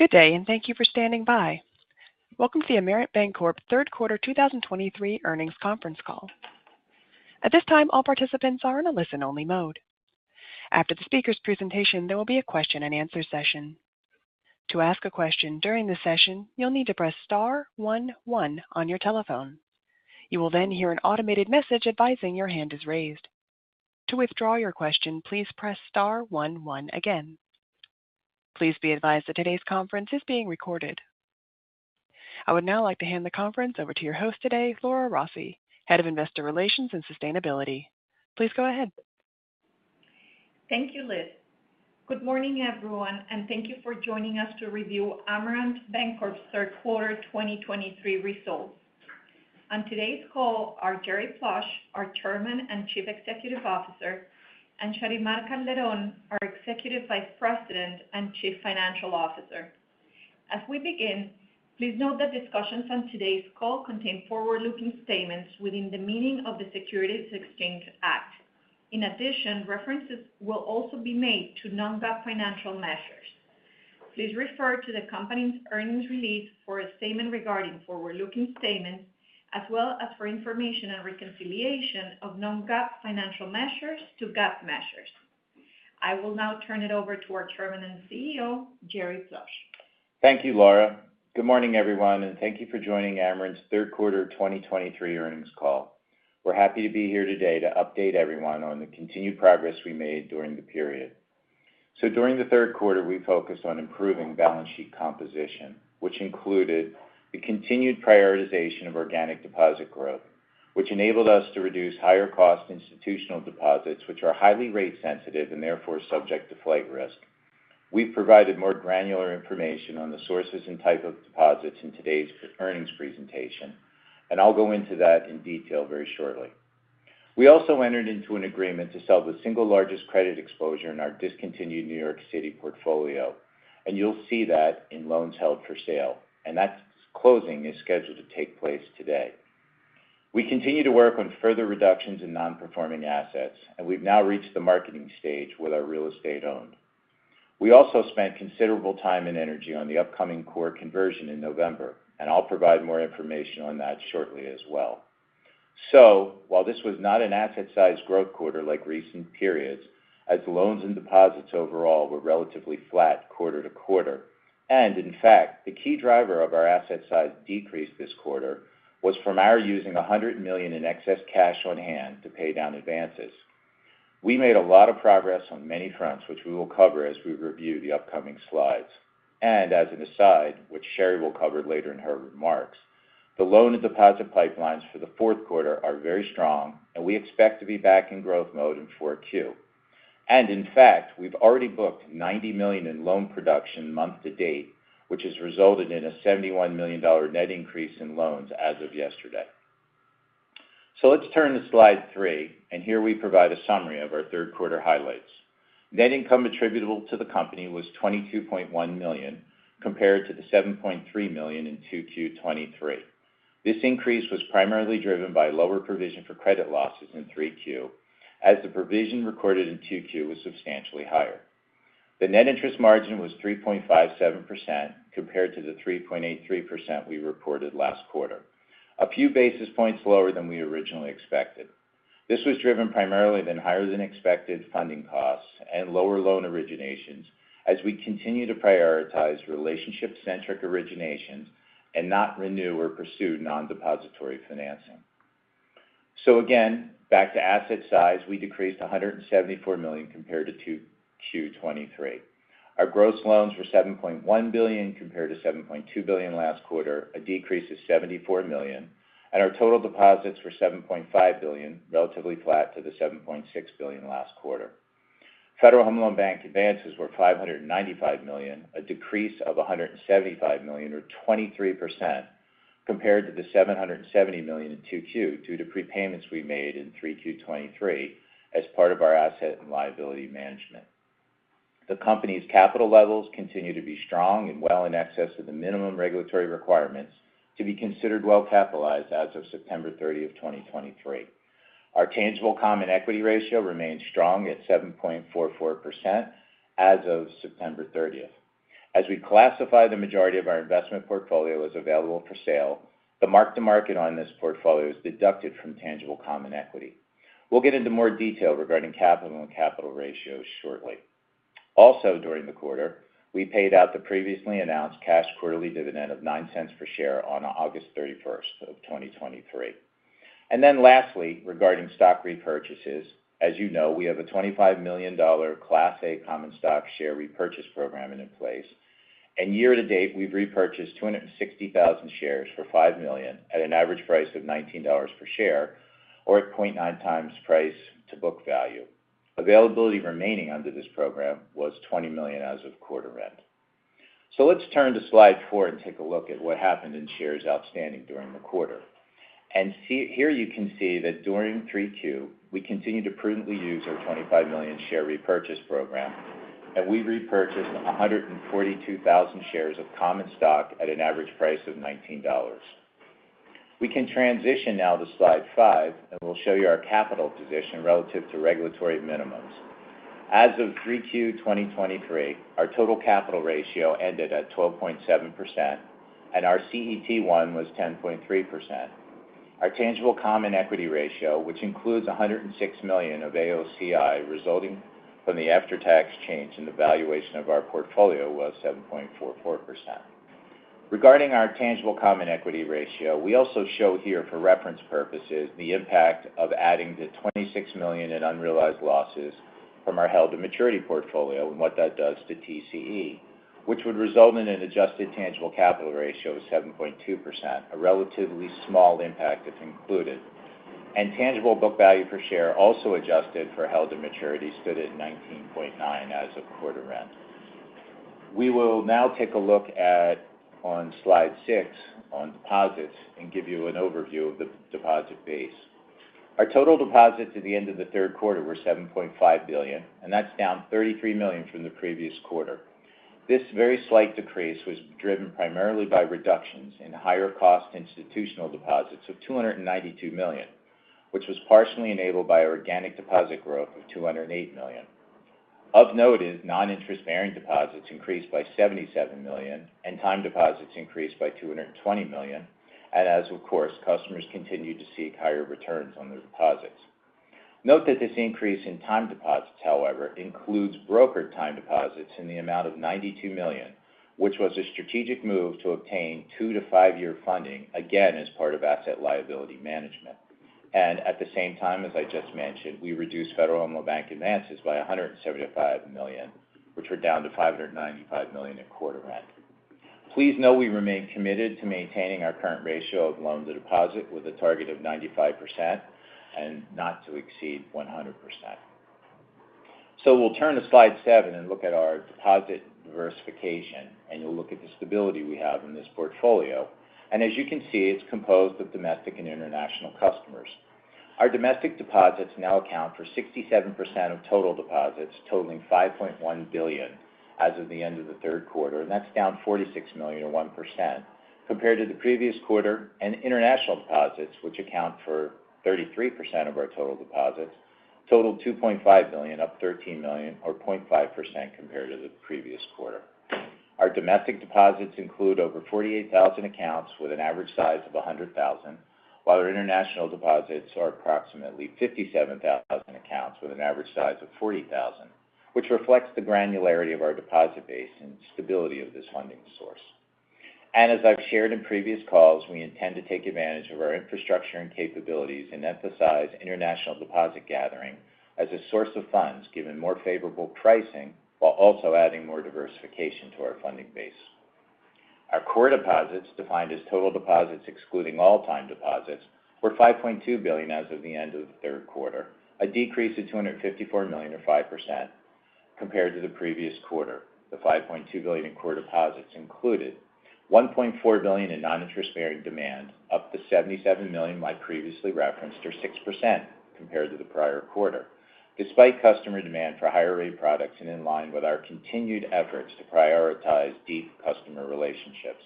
Good day, and thank you for standing by. Welcome to the Amerant Bancorp Q3 2023 earnings conference call. At this time, all participants are in a listen-only mode. After the speaker's presentation, there will be a question-and-answer session. To ask a question during the session, you'll need to press star one one on your telephone. You will then hear an automated message advising your hand is raised. To withdraw your question, please press star one one again. Please be advised that today's conference is being recorded. I would now like to hand the conference over to your host today, Laura Rossi, Head of Investor Relations and Sustainability. Please go ahead. Thank you, Liz. Good morning, everyone, and thank you for joining us to review Amerant Bancorp's Q3 2023 results. On today's call are Jerry Plush, our Chairman and Chief Executive Officer, and Sharymar Calderón, our Executive Vice President and Chief Financial Officer. As we begin, please note that discussions on today's call contain forward-looking statements within the meaning of the Securities Exchange Act. In addition, references will also be made to non-GAAP financial measures. Please refer to the company's earnings release for a statement regarding forward-looking statements, as well as for information and reconciliation of non-GAAP financial measures to GAAP measures. I will now turn it over to our Chairman and CEO, Jerry Plush. Thank you, Laura. Good morning, everyone, and thank you for joining Amerant's Q3 2023 earnings call. We're happy to be here today to update everyone on the continued progress we made during the period. During the Q3, we focused on improving balance sheet composition, which included the continued prioritization of organic deposit growth, which enabled us to reduce higher cost institutional deposits, which are highly rate sensitive and therefore subject to flight risk. We've provided more granular information on the sources and type of deposits in today's earnings presentation, and I'll go into that in detail very shortly. We also entered into an agreement to sell the single largest credit exposure in our discontinued New York City portfolio, and you'll see that in loans held for sale, and that closing is scheduled to take place today. We continue to work on further reductions in non-performing assets, and we've now reached the marketing stage with our real estate owned. We also spent considerable time and energy on the upcoming core conversion in November, and I'll provide more information on that shortly as well. So while this was not an asset size growth quarter like recent periods, as loans and deposits overall were relatively flat quarter to quarter, and in fact, the key driver of our asset size decrease this quarter was from our using $100 million in excess cash on hand to pay down advances. We made a lot of progress on many fronts, which we will cover as we review the upcoming slides. As an aside, which Shary will cover later in her remarks, the loan and deposit pipelines for the Q4 are very strong, and we expect to be back in growth mode in 4Q. In fact, we've already booked $90 million in loan production month to date, which has resulted in a $71 million net increase in loans as of yesterday. Let's turn to slide three, and here we provide a summary of our Q3 highlights. Net income attributable to the company was $22.1 million, compared to the $7.3 million in 2Q 2023. This increase was primarily driven by lower provision for credit losses in 3Q, as the provision recorded in 2Q was substantially higher. The net interest margin was 3.57%, compared to the 3.83% we reported last quarter. A few basis points lower than we originally expected. This was driven primarily by higher-than-expected funding costs and lower loan originations as we continue to prioritize relationship-centric originations and not renew or pursue non-depository financing. So again, back to asset size, we decreased $174 million compared to 2Q 2023. Our gross loans were $7.1 billion, compared to $7.2 billion last quarter, a decrease of $74 million, and our total deposits were $7.5 billion, relatively flat to the $7.6 billion last quarter. Feddieral Home Loan Bank advances were $595 million, a decrease of $175 million, or 23%, compared to the $770 million in 2Q, due to prepayments we made in 3Q 2023 as part of our asset and liability management. The company's capital levels continue to be strong and well in excess of the minimum regulatory requirements to be considered well-capitalized as of 30 September 2023. Our tangible common equity ratio remains strong at 7.44% as of 30 September 2023. As we classify the majority of our investment portfolio as available for sale, the mark to market on this portfolio is deducted from tangible common equity. We'll get into more detail regarding capital and capital ratios shortly. Also, during the quarter, we paid out the previously announced cash quarterly dividend of $0.09 per share on 31 August 2023. And then lastly, regarding stock repurchases, as you know, we have a $25 million Class A common stock share repurchase program in place, and year to date, we've repurchased 260,000 shares for $5 million at an average price of $19 per share or at 0.9 times price to book value. Availability remaining under this program was $20 million as of quarter end. So let's turn to slide four and take a look at what happened in shares outstanding during the quarter. And see, here you can see that during 3Q, we continued to prudently use our $25 million share repurchase program, and we repurchased 142,000 shares of common stock at an average price of $19. We can transition now to slide five, and we'll show you our capital position relative to regulatory minimums. As of Q3 2023, our total capital ratio ended at 12.7%, and our CET1 was 10.3%. Our tangible common equity ratio, which includes $106 million of AOCI, resulting from the after-tax change in the valuation of our portfolio, was 7.44%. Regarding our tangible common equity ratio, we also show here, for reference purposes, the impact of adding the $26 million in unrealized losses from our held-to-maturity portfolio and what that does to TCE, which would result in an adjusted tangible capital ratio of 7.2%, a relatively small impact if included. And tangible book value per share, also adjusted for held to maturity, stood at 19.9 as of quarter end. We will now take a look at on slide six on deposits and give you an overview of the deposit base. Our total deposits at the end of the Q3 were $7.5 billion, and that's down $33 million from the previous quarter. This very slight decrease was driven primarily by reductions in higher-cost institutional deposits of $292 million, which was partially enabled by organic deposit growth of $208 million. Of note is non-interest-bearing deposits increased by $77 million, and time deposits increased by $220 million, and, of course, customers continued to seek higher returns on their deposits. Note that this increase in time deposits, however, includes brokered time deposits in the amount of $92 million, which was a strategic move to obtain two to five-year funding, again, as part of asset liability management. At the same time, as I just mentioned, we reduced Federal Home Loan Bank advances by $175 million, which were down to $595 million at quarter end. Please know we remain committed to maintaining our current ratio of loan to deposit with a target of 95% and not to exceed 100%. We'll turn to slide seven and look at our deposit diversification, and you'll look at the stability we have in this portfolio. As you can see, it's composed of domestic and international customers. Our domestic deposits now account for 67% of total deposits, totaling $5.1 billion as of the end of the Q3, and that's down $46 million or 1% compared to the previous quarter. International deposits, which account for 33% of our total deposits, totaled $2.5 billion, up $13 million or 0.5% compared to the previous quarter. Our domestic deposits include over 48,000 accounts, with an average size of 100,000, while our international deposits are approximately 57,000 accounts with an average size of 40,000, which reflects the granularity of our deposit base and stability of this funding source. As I've shared in previous calls, we intend to take advantage of our infrastructure and capabilities and emphasize international deposit gathering as a source of funds, given more favorable pricing, while also adding more diversification to our funding base. Our core deposits, defined as total deposits excluding time deposits, were $5.2 billion as of the end of the Q3, a decrease of $254 million or 5% compared to the previous quarter. The $5.2 billion in core deposits included $1.4 billion in non-interest-bearing demand, up $77 million, I previously referenced, or 6% compared to the prior quarter. Despite customer demand for higher rate products and in line with our continued efforts to prioritize deep customer relationships,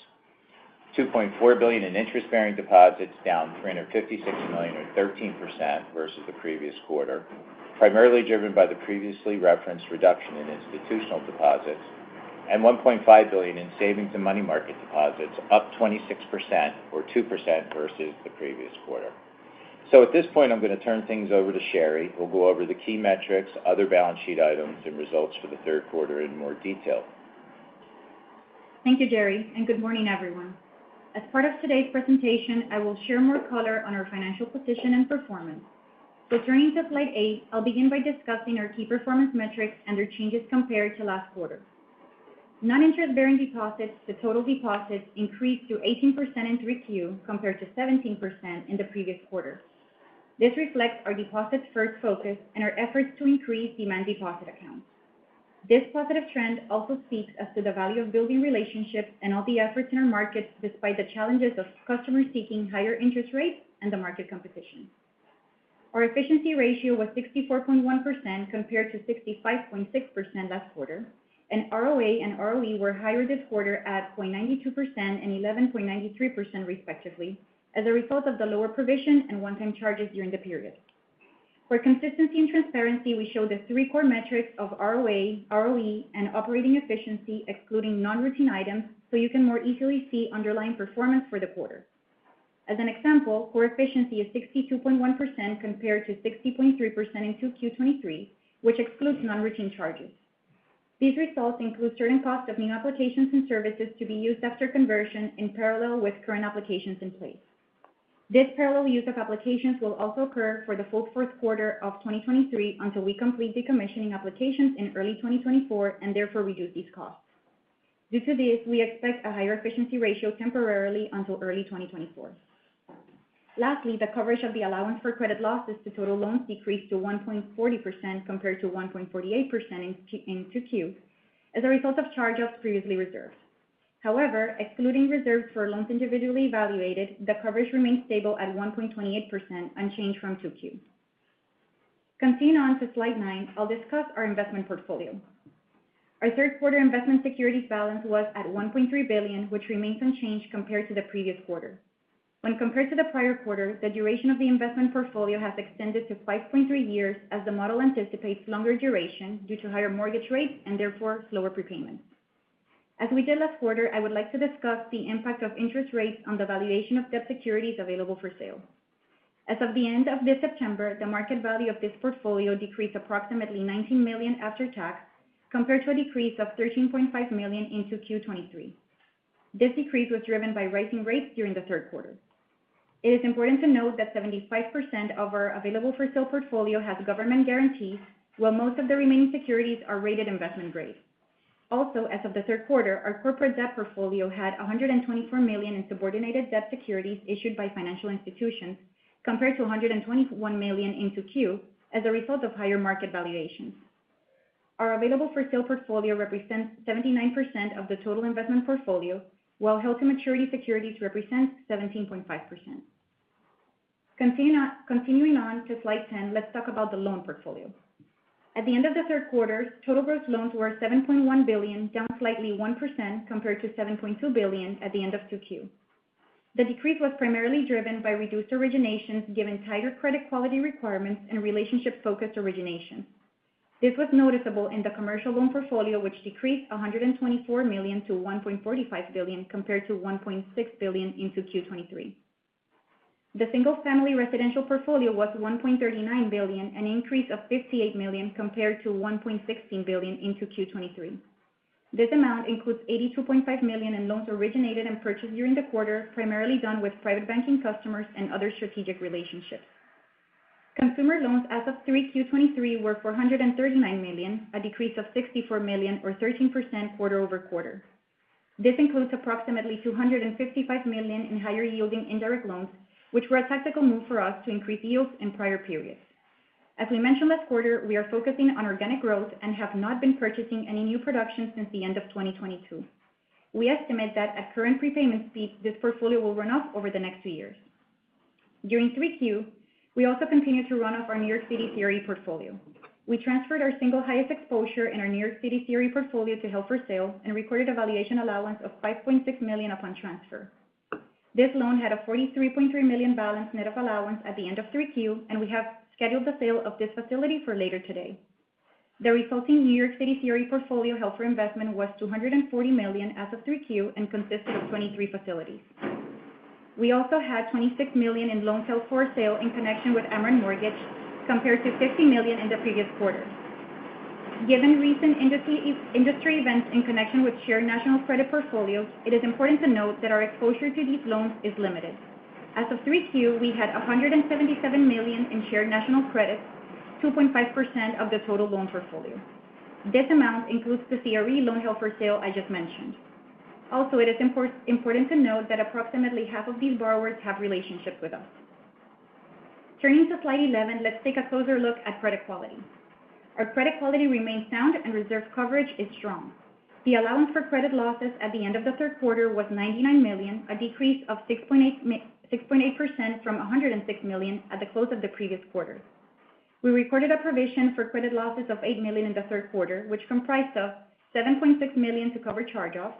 $2.4 billion in interest-bearing deposits, down $356 million or 13% versus the previous quarter, primarily driven by the previously referenced reduction in institutional deposits, and $1.5 billion in savings and money market deposits, up $26 million or 2% versus the previous quarter. At this point, I'm going to turn things over to Shary, who'll go over the key metrics, other balance sheet items, and results for the Q3 in more detail. Thank you, Jerry, and good morning, everyone. As part of today's presentation, I will share more color on our financial position and performance. Turning to slide eight, I'll begin by discussing our key performance metrics and their changes compared to last quarter. Non-interest-bearing deposits to total deposits increased to 18% in 3Q, compared to 17% in the previous quarter. This reflects our deposits-first focus and our efforts to increase demand deposit accounts. This positive trend also speaks to the value of building relationships and all the efforts in our markets, despite the challenges of customers seeking higher interest rates and the market competition. Our efficiency ratio was 64.1%, compared to 65.6% last quarter, and ROA and ROE were higher this quarter at 0.92% and 11.93%, respectively, as a result of the lower provision and one-time charges during the period. For consistency and transparency, we show the three core metrics of ROA, ROE, and operating efficiency, excluding non-routine items, so you can more easily see underlying performance for the quarter. As an example, core efficiency is 62.1%, compared to 60.3% in 2Q 2023, which excludes non-routine charges. These results include certain costs of new applications and services to be used after conversion in parallel with current applications in place. This parallel use of applications will also occur for the full Q4 of 2023, until we complete decommissioning applications in early 2024 and therefore reduce these costs. Due to this, we expect a higher efficiency ratio temporarily until early 2024. Lastly, the coverage of the allowance for credit losses to total loans decreased to 1.40%, compared to 1.48% in 2Q, as a result of charge-offs previously reserved. However, excluding reserves for loans individually evaluated, the coverage remains stable at 1.28%, unchanged from 2Q. Continuing on to slide nine, I'll discuss our investment portfolio. Our Q3 investment securities balance was at $1.3 billion, which remains unchanged compared to the previous quarter. When compared to the prior quarter, the duration of the investment portfolio has extended to 5.3 years as the model anticipates longer duration due to higher mortgage rates and therefore lower prepayments. As we did last quarter, I would like to discuss the impact of interest rates on the valuation of debt securities available for sale. As of the end of this September, the market value of this portfolio decreased approximately $19 million after tax, compared to a decrease of $13.5 million in Q2 23. This decrease was driven by rising rates during the Q3. It is important to note that 75% of our available-for-sale portfolio has government guarantees, while most of the remaining securities are rated investment grade. Also, as of the Q3, our corporate debt portfolio had $124 million in subordinated debt securities issued by financial institutions, compared to $121 million in 2Q, as a result of higher market valuations. Our available-for-sale portfolio represents 79% of the total investment portfolio, while held-to-maturity securities represent 17.5%. Continuing on to slide 10, let's talk about the loan portfolio. At the end of the Q3, total gross loans were $7.1 billion, down slightly 1% compared to $7.2 billion at the end of 2Q. The decrease was primarily driven by reduced originations, given tighter credit quality requirements and relationship-focused originations. This was noticeable in the commercial loan portfolio, which decreased $124 million to $1.45 billion, compared to $1.6 billion in 2Q23. The single-family residential portfolio was $1.39 billion, an increase of $58 million compared to $1.16 billion in Q23. This amount includes $82.5 million in loans originated and purchased during the quarter, primarily done with private banking customers and other strategic relationships. Consumer loans as of 3Q23 were $439 million, a decrease of $64 million or 13% quarter-over-quarter. This includes approximately $255 million in higher-yielding indirect loans, which were a tactical move for us to increase yields in prior periods. As we mentioned last quarter, we are focusing on organic growth and have not been purchasing any new production since the end of 2022. We estimate that at current prepayment speed, this portfolio will run off over the next two years. During 3Q, we also continued to run off our New York City CRE portfolio. We transferred our single highest exposure in our New York City CRE portfolio to held for sale and recorded a valuation allowance of $5.6 million upon transfer. This loan had a $43.3 million balance net of allowance at the end of 3Q, and we have scheduled the sale of this facility for later today. The resulting New York City CRE portfolio held for investment was $240 million as of 3Q and consisted of 23 facilities. We also had $26 million in loans held for sale in connection with Amerant Mortgage, compared to $50 million in the previous quarter. Given recent industry events in connection with Shared National Credit portfolios, it is important to note that our exposure to these loans is limited. As of 3Q, we had $177 million in Shared National Credits, 2.5% of the total loan portfolio. This amount includes the CRE loan held for sale I just mentioned. Also, it is important to note that approximately half of these borrowers have relationships with us. Turning to slide 11, let's take a closer look at credit quality. Our credit quality remains sound and reserve coverage is strong. The allowance for credit losses at the end of the Q3 was $99 million, a decrease of 6.8% from $106 million at the close of the previous quarter. We recorded a provision for credit losses of $8 million in the Q3, which comprised of $7.6 million to cover charge-offs,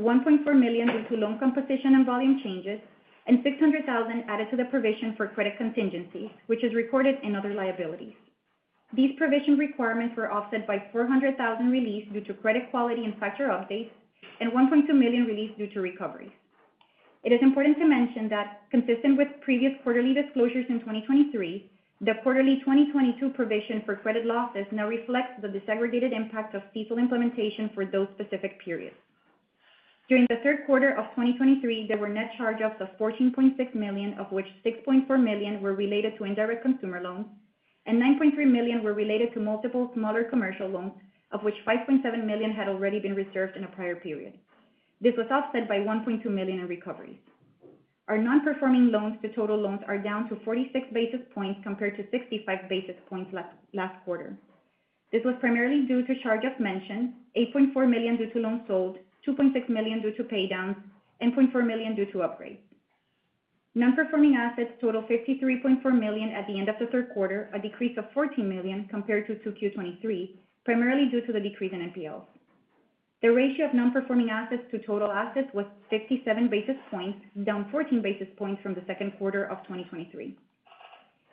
$1.4 million due to loan composition and volume changes, and $600,000 added to the provision for credit contingencies, which is recorded in other liabilities. These provision requirements were offset by $400,000 released due to credit quality and factor updates and $1.2 million released due to recoveries. It is important to mention that consistent with previous quarterly disclosures in 2023, the quarterly 2022 provision for credit losses now reflects the disaggregated impact of CECL implementation for those specific periods. During the Q3 of 2023, there were net charge-offs of $14.6 million, of which $6.4 million were related to indirect consumer loans and $9.3 million were related to multiple smaller commercial loans, of which $5.7 million had already been reserved in a prior period. This was offset by $1.2 million in recoveries. Our non-performing loans to total loans are down to 46 basis points compared to 65 basis points last quarter. This was primarily due to charge-offs mentioned, $8.4 million due to loans sold, $2.6 million due to pay downs, and $0.4 million due to upgrades. Non-performing assets total $53.4 million at the end of the Q3, a decrease of $14 million compared to 2Q23, primarily due to the decrease in NPLs. The ratio of non-performing assets to total assets was 67 basis points, down 14 basis points from the Q2 of 2023.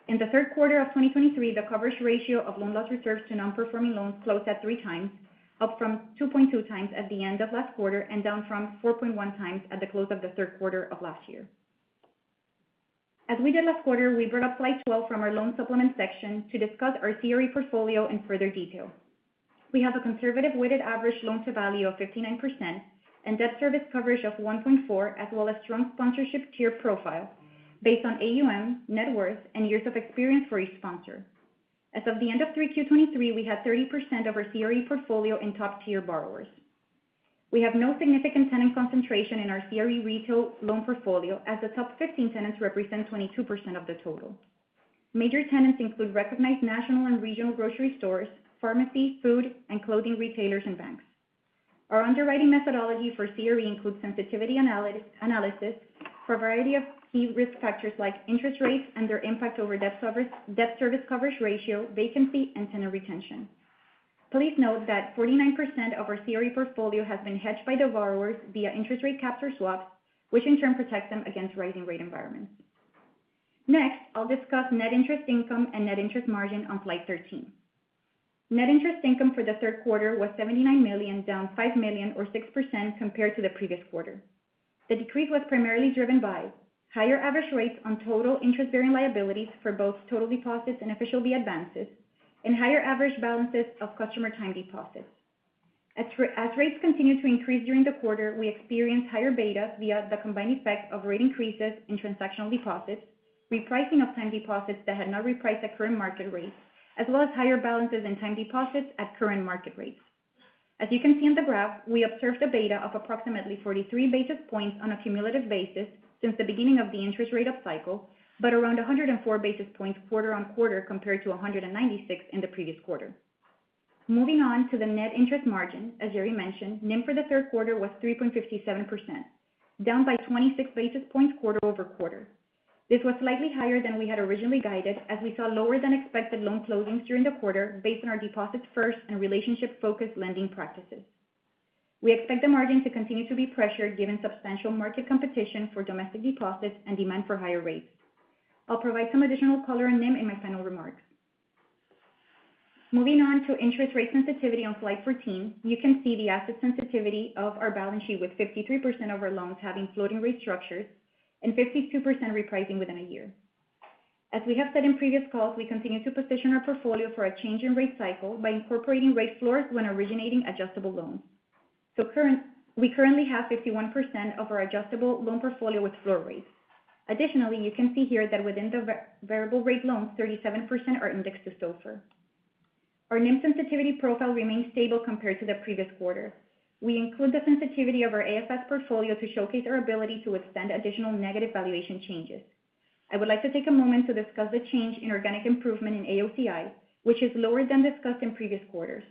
In the Q3 of 2023, the coverage ratio of loan loss reserves to non-performing loans closed at three times, up from 2.2 times at the end of last quarter and down from 4.1 times at the close of the Q3 of last year. As we did last quarter, we brought up slide 12 from our loan supplement section to discuss our CRE portfolio in further detail. We have a conservative weighted average loan-to-value of 59% and debt service coverage of 1.4, as well as strong sponsorship tier profile based on AUM, net worth, and years of experience for each sponsor. As of the end of 3Q23, we had 30% of our CRE portfolio in top-tier borrowers. We have no significant tenant concentration in our CRE retail loan portfolio, as the top 15 tenants represent 22% of the total. Major tenants include recognized national and regional grocery stores, pharmacy, food, and clothing retailers, and banks. Our underwriting methodology for CRE includes sensitivity analysis for a variety of key risk factors like interest rates and their impact over debt service, debt service coverage ratio, vacancy, and tenant retention. Please note that 49% of our CRE portfolio has been hedged by the borrowers via interest rate capture swaps, which in turn protect them against rising rate environments. Next, I'll discuss net interest income and net interest margin on slide 13. Net interest income for the Q3 was $79 million, down $5 million or 6% compared to the previous quarter. The decrease was primarily driven by higher average rates on total interest-bearing liabilities for both total deposits and official advances, and higher average balances of customer time deposits. As rates continued to increase during the quarter, we experienced higher beta via the combined effect of rate increases in transactional deposits, repricing of time deposits that had not repriced at current market rates, as well as higher balances in time deposits at current market rates. As you can see in the graph, we observed a beta of approximately 43 basis points on a cumulative basis since the beginning of the interest rate up cycle, but around 104 basis points quarter-over-quarter, compared to 196 in the previous quarter. Moving on to the net interest margin, as Jerry mentioned, NIM for the Q3 was 3.57%, down by 26 basis points quarter-over-quarter. This was slightly higher than we had originally guided, as we saw lower than expected loan closings during the quarter based on our deposits first and relationship-focused lending practices. We expect the margin to continue to be pressured, given substantial market competition for domestic deposits and demand for higher rates. I'll provide some additional color on NIM in my final remarks. Moving on to interest rate sensitivity on slide 14, you can see the asset sensitivity of our balance sheet, with 53% of our loans having floating rate structures and 52% repricing within a year. As we have said in previous calls, we continue to position our portfolio for a change in rate cycle by incorporating rate floors when originating adjustable loans. So we currently have 51% of our adjustable loan portfolio with floor rates. Additionally, you can see here that within the variable rate loans, 37% are indexed to SOFR. Our NIM sensitivity profile remains stable compared to the previous quarter. We include the sensitivity of our AFS portfolio to showcase our ability to withstand additional negative valuation changes. I would like to take a moment to discuss the change in organic improvement in AOCI, which is lower than discussed in previous quarters.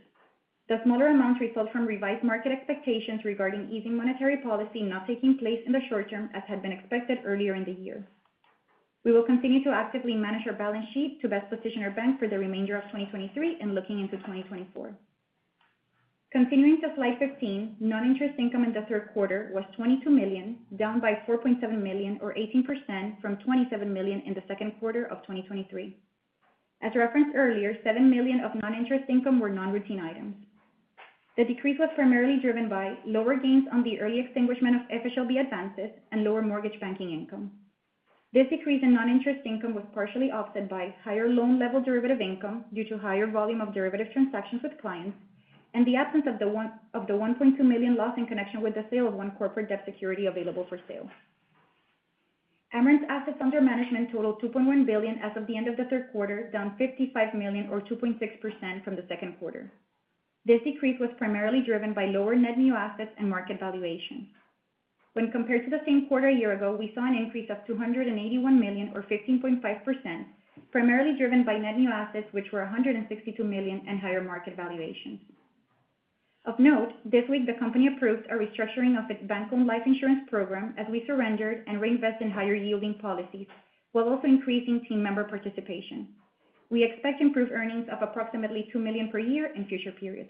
The smaller amounts result from revised market expectations regarding easing monetary policy not taking place in the short term, as had been expected earlier in the year. We will continue to actively manage our balance sheet to best position our bank for the remainder of 2023 and looking into 2024. Continuing to slide 15, non-interest income in the Q3 was $22 million, down by $4.7 million, or 18% from $27 million in the Q2 of 2023. As referenced earlier, $7 million of non-interest income were non-routine items. The decrease was primarily driven by lower gains on the early extinguishment of FHLB advances and lower mortgage banking income. This decrease in non-interest income was partially offset by higher loan level derivative income due to higher volume of derivative transactions with clients, and the absence of the $1.2 million loss in connection with the sale of one corporate debt security available for sale. Amerant's assets under management totaled $2.1 billion as of the end of the Q3, down $55 million or 2.6% from the Q2. This decrease was primarily driven by lower net new assets and market valuations. When compared to the same quarter a year ago, we saw an increase of $281 million or 15.5%, primarily driven by net new assets, which were $162 million, and higher market valuations. Of note, this week the company approved a restructuring of its bank-owned life insurance program as we surrendered and reinvest in higher-yielding policies, while also increasing team member participation. We expect improved earnings of approximately $2 million per year in future periods.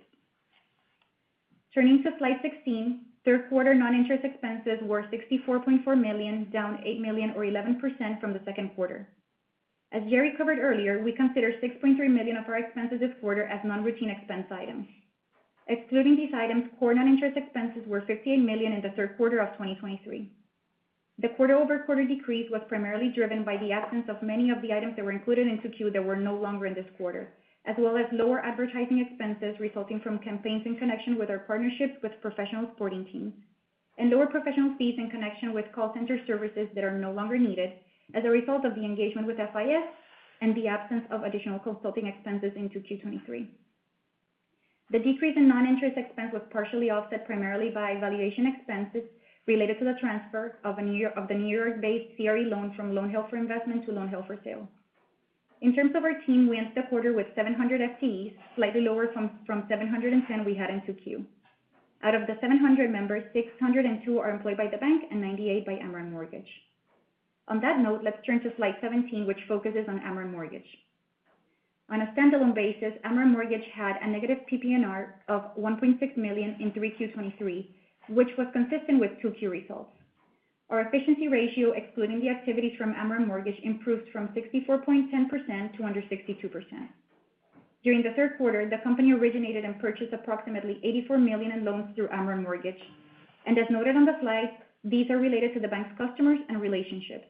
Turning to slide 16, Q3 non-interest expenses were $64.4 million, down $8 million or 11% from the Q2. As Jerry covered earlier, we consider $6.3 million of our expenses this quarter as non-routine expense items. Excluding these items, core non-interest expenses were $58 million in the Q3 of 2023. The quarter-over-quarter decrease was primarily driven by the absence of many of the items that were included in 2Q that were no longer in this quarter, as well as lower advertising expenses resulting from campaigns in connection with our partnerships with professional sporting teams, and lower professional fees in connection with call center services that are no longer needed as a result of the engagement with FIS and the absence of additional consulting expenses in 2Q 2023. The decrease in non-interest expense was partially offset primarily by valuation expenses related to the transfer of a New York-based CRE loan from loan held for investment to loan held for sale. In terms of our team, we end the quarter with 700 FTEs, slightly lower from 710 we had in 2Q. Out of the 700 members, 602 are employed by the bank and 98 by Amerant Mortgage. On that note, let's turn to slide 17, which focuses on Amerant Mortgage. On a standalone basis, Amerant Mortgage had a negative PNR of $1.6 million in 3Q 2023, which was consistent with 2Q results. Our efficiency ratio, excluding the activities from Amerant Mortgage, improved from 64.10% to under 62%. During the Q3, the company originated and purchased approximately $84 million in loans through Amerant Mortgage, and as noted on the slide, these are related to the bank's customers and relationships.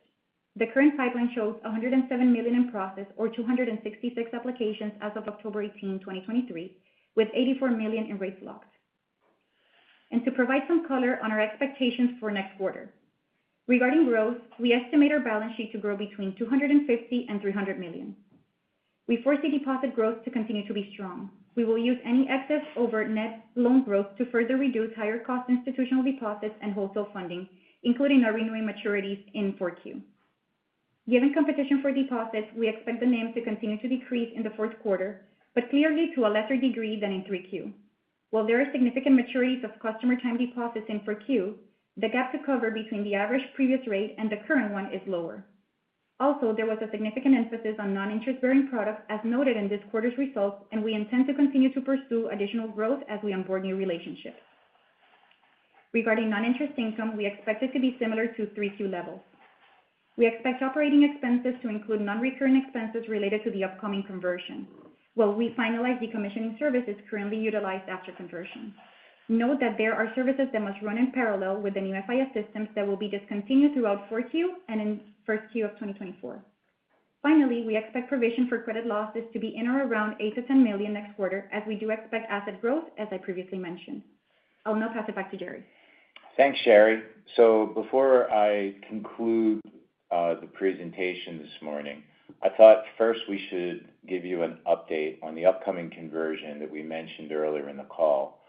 The current pipeline shows $107 million in process, or 266 applications as of 18 October 2023, with $84 million in rates locked. To provide some color on our expectations for next quarter. Regarding growth, we estimate our balance sheet to grow between $250 million and $300 million. We foresee deposit growth to continue to be strong. We will use any excess over net loan growth to further reduce higher cost institutional deposits and wholesale funding, including our renewing maturities in 4Q. Given competition for deposits, we expect the NIM to continue to decrease in the Q4, but clearly to a lesser degree than in 3Q. While there are significant maturities of customer time deposits in 4Q, the gap to cover between the average previous rate and the current one is lower. Also, there was a significant emphasis on non-interest-bearing products, as noted in this quarter's results, and we intend to continue to pursue additional growth as we onboard new relationships. Regarding non-interest income, we expect it to be similar to 3Q levels. We expect operating expenses to include non-recurring expenses related to the upcoming conversion, while we finalize the commissioning services currently utilized after conversion. Note that there are services that must run in parallel with the new FIS systems that will be discontinued throughout 4Q and in 1Q of 2024. Finally, we expect provision for credit losses to be in or around $8 million-$10 million next quarter, as we do expect asset growth, as I previously mentioned. I'll now pass it back to Jerry. Thanks, Shary. So before I conclude, the presentation this morning, I thought first we should give you an update on the upcoming conversion that we mentioned earlier in the call.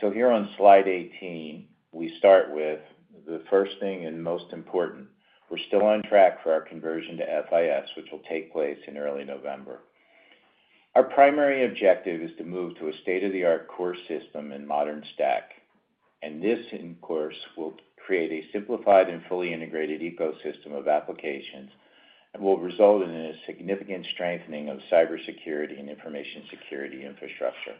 So here on slide 18, we start with the first thing and most important, we're still on track for our conversion to FIS, which will take place in early November. Our primary objective is to move to a state-of-the-art core system and modern stack, and this, of course, will create a simplified and fully integrated ecosystem of applications and will result in a significant strengthening of cybersecurity and information security infrastructure.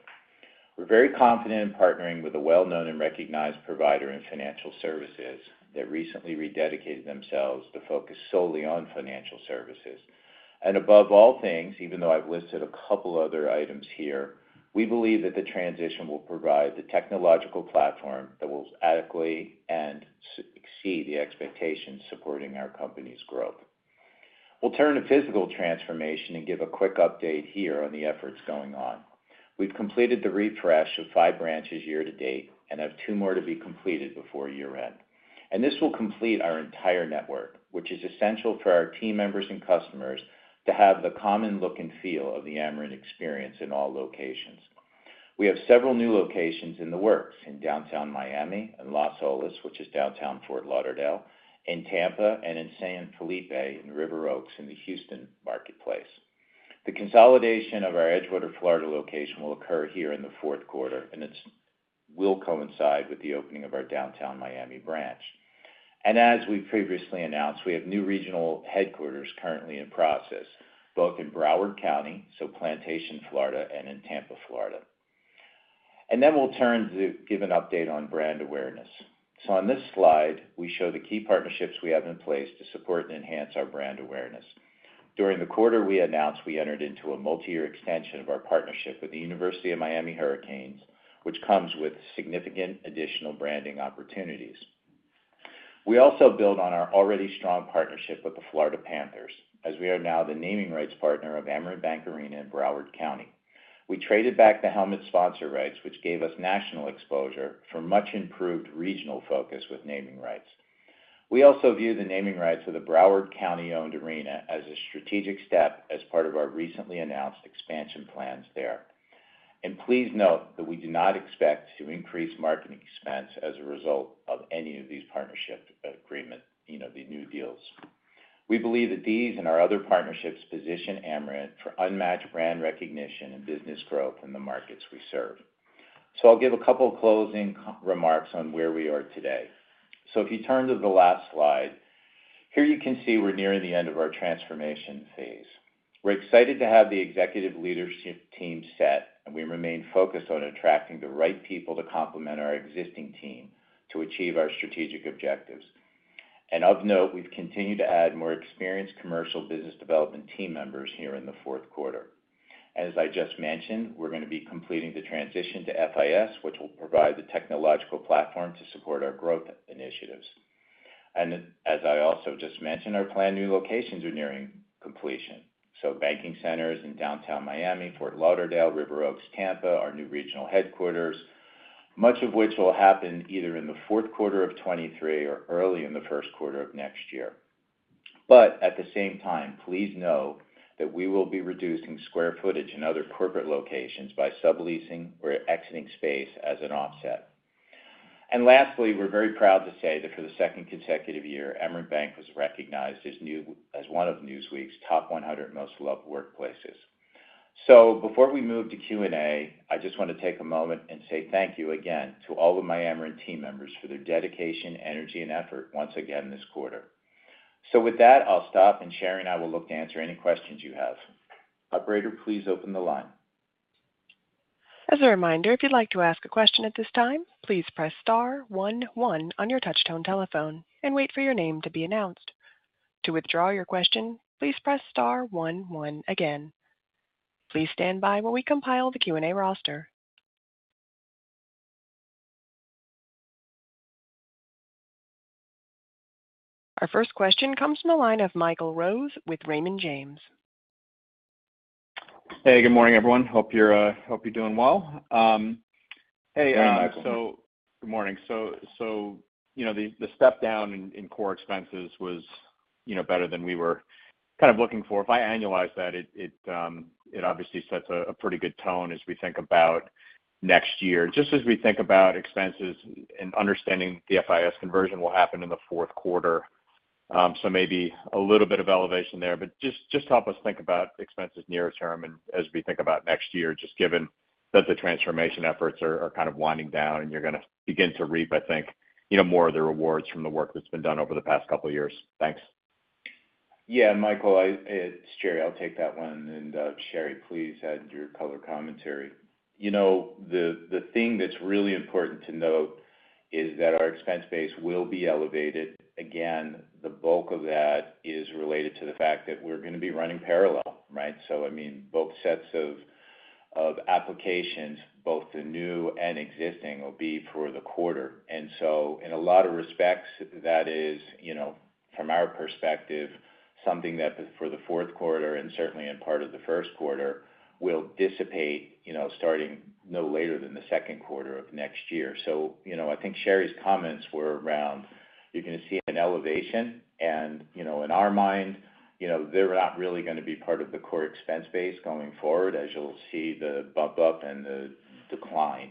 We're very confident in partnering with a well-known and recognized provider in financial services that recently rededicated themselves to focus solely on financial services. Above all things, even though I've listed a couple other items here, we believe that the transition will provide the technological platform that will adequately and exceed the expectations supporting our company's growth. We'll turn to physical transformation and give a quick update here on the efforts going on. We've completed the refresh of five branches year to date and have two more to be completed before year-end. This will complete our entire network, which is essential for our team members and customers to have the common look and feel of the Amerant experience in all locations. We have several new locations in the works in Downtown Miami and Las Olas, which is downtown Fort Lauderdale, in Tampa, and in San Felipe, in River Oaks, in the Houston marketplace. The consolidation of our Edgewater, Florida, location will occur here in the Q4, and it will coincide with the opening of our downtown Miami branch. As we previously announced, we have new regional headquarters currently in process, both in Broward County, so Plantation, Florida, and in Tampa, Florida. Then we'll turn to give an update on brand awareness. On this slide, we show the key partnerships we have in place to support and enhance our brand awareness. During the quarter, we announced we entered into a multiyear extension of our partnership with the University of Miami Hurricanes, which comes with significant additional branding opportunities. We also build on our already strong partnership with the Florida Panthers, as we are now the naming rights partner of Amerant Bank Arena in Broward County. We traded back the helmet sponsor rights, which gave us national exposure for much improved regional focus with naming rights. We also view the naming rights of the Broward County-owned arena as a strategic step as part of our recently announced expansion plans there. Please note that we do not expect to increase marketing expense as a result of any of these partnership agreement, you know, the new deals. We believe that these and our other partnerships position Amerant for unmatched brand recognition and business growth in the markets we serve. I'll give a couple of closing remarks on where we are today. If you turn to the last slide, here you can see we're nearing the end of our transformation phase. We're excited to have the executive leadership team set, and we remain focused on attracting the right people to complement our existing team to achieve our strategic objectives. And of note, we've continued to add more experienced commercial business development team members here in the Q4. As I just mentioned, we're going to be completing the transition to FIS, which will provide the technological platform to support our growth initiatives. And as I also just mentioned, our planned new locations are nearing completion. So banking centers in Downtown Miami, Fort Lauderdale, River Oaks, Tampa, our new regional headquarters, much of which will happen either in the Q4 of 2023 or early in the Q1 of next year. But at the same time, please know that we will be reducing square footage in other corporate locations by subleasing or exiting space as an offset. And lastly, we're very proud to say that for the second consecutive year, Amerant Bank was recognized as one of Newsweek's Top 100 Most Loved Workplaces. So before we move to Q&A, I just want to take a moment and say thank you again to all of my Amerant team members for their dedication, energy, and effort once again this quarter. So with that, I'll stop, and Shary and I will look to answer any questions you have. Operator, please open the line. As a reminder, if you'd like to ask a question at this time, please press star one one on your touch-tone telephone and wait for your name to be announced. To withdraw your question, please press star one one again. Please stand by while we compile the Q&A roster. Our first question comes from the line of Michael Rose with Raymond James. Hey, good morning, everyone. Hope you're doing well. Good morning. Good morning. So, you know, the step down in core expenses was, you know, better than we were kind of looking for. If I annualize that, it obviously sets a pretty good tone as we think about next year. Just as we think about expenses and understanding the FIS conversion will happen in the Q4, so maybe a little bit of elevation there, but just help us think about expenses near term and as we think about next year, just given that the transformation efforts are kind of winding down and you're going to begin to reap, I think, you know, more of the rewards from the work that's been done over the past couple of years. Thanks. Yeah, Michael, it's Jerry. I'll take that one, and, Shary, please add your color commentary. You know, the thing that's really important to note is that our expense base will be elevated. Again, the bulk of that is related to the fact that we're going to be running parallel, right? So I mean, both sets of applications, both the new and existing, will be for the quarter. And so in a lot of respects, that is, you know, from our perspective, something that for the Q4 and certainly in part of the Q1, will dissipate, you know, starting no later than the Q2 of next year. So, you know, I think Shary's comments were around, you're going to see an elevation. You know, in our mind, you know, they're not really going to be part of the core expense base going forward, as you'll see the bump up and the decline.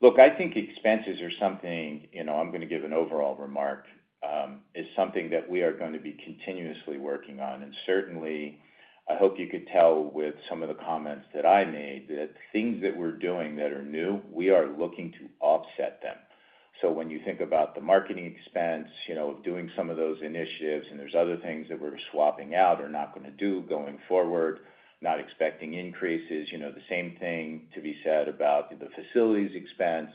Look, I think expenses are something, you know, I'm going to give an overall remark, is something that we are going to be continuously working on. Certainly, I hope you could tell with some of the comments that I made, that things that we're doing that are new, we are looking to offset them. So when you think about the marketing expense, you know, doing some of those initiatives, and there's other things that we're swapping out or not going to do going forward, not expecting increases. You know, the same thing to be said about the facilities expense.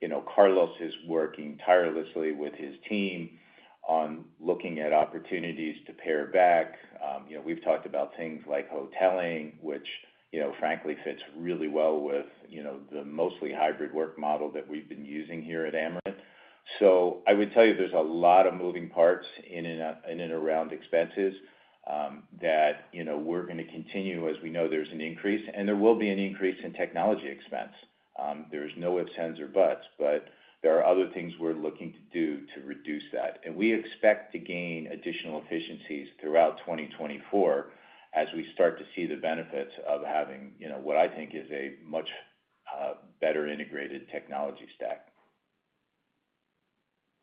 You know, Carlos is working tirelessly with his team on looking at opportunities to pare back. You know, we've talked about things like hoteling, which, you know, frankly, fits really well with, you know, the mostly hybrid work model that we've been using here at Amerant. So I would tell you, there's a lot of moving parts in and around expenses, that, you know, we're going to continue. As we know, there's an increase, and there will be an increase in technology expense. There's no if, ands, or buts, but there are other things we're looking to do to reduce that. And we expect to gain additional efficiencies throughout 2024 as we start to see the benefits of having, you know, what I think is a much better integrated technology stack.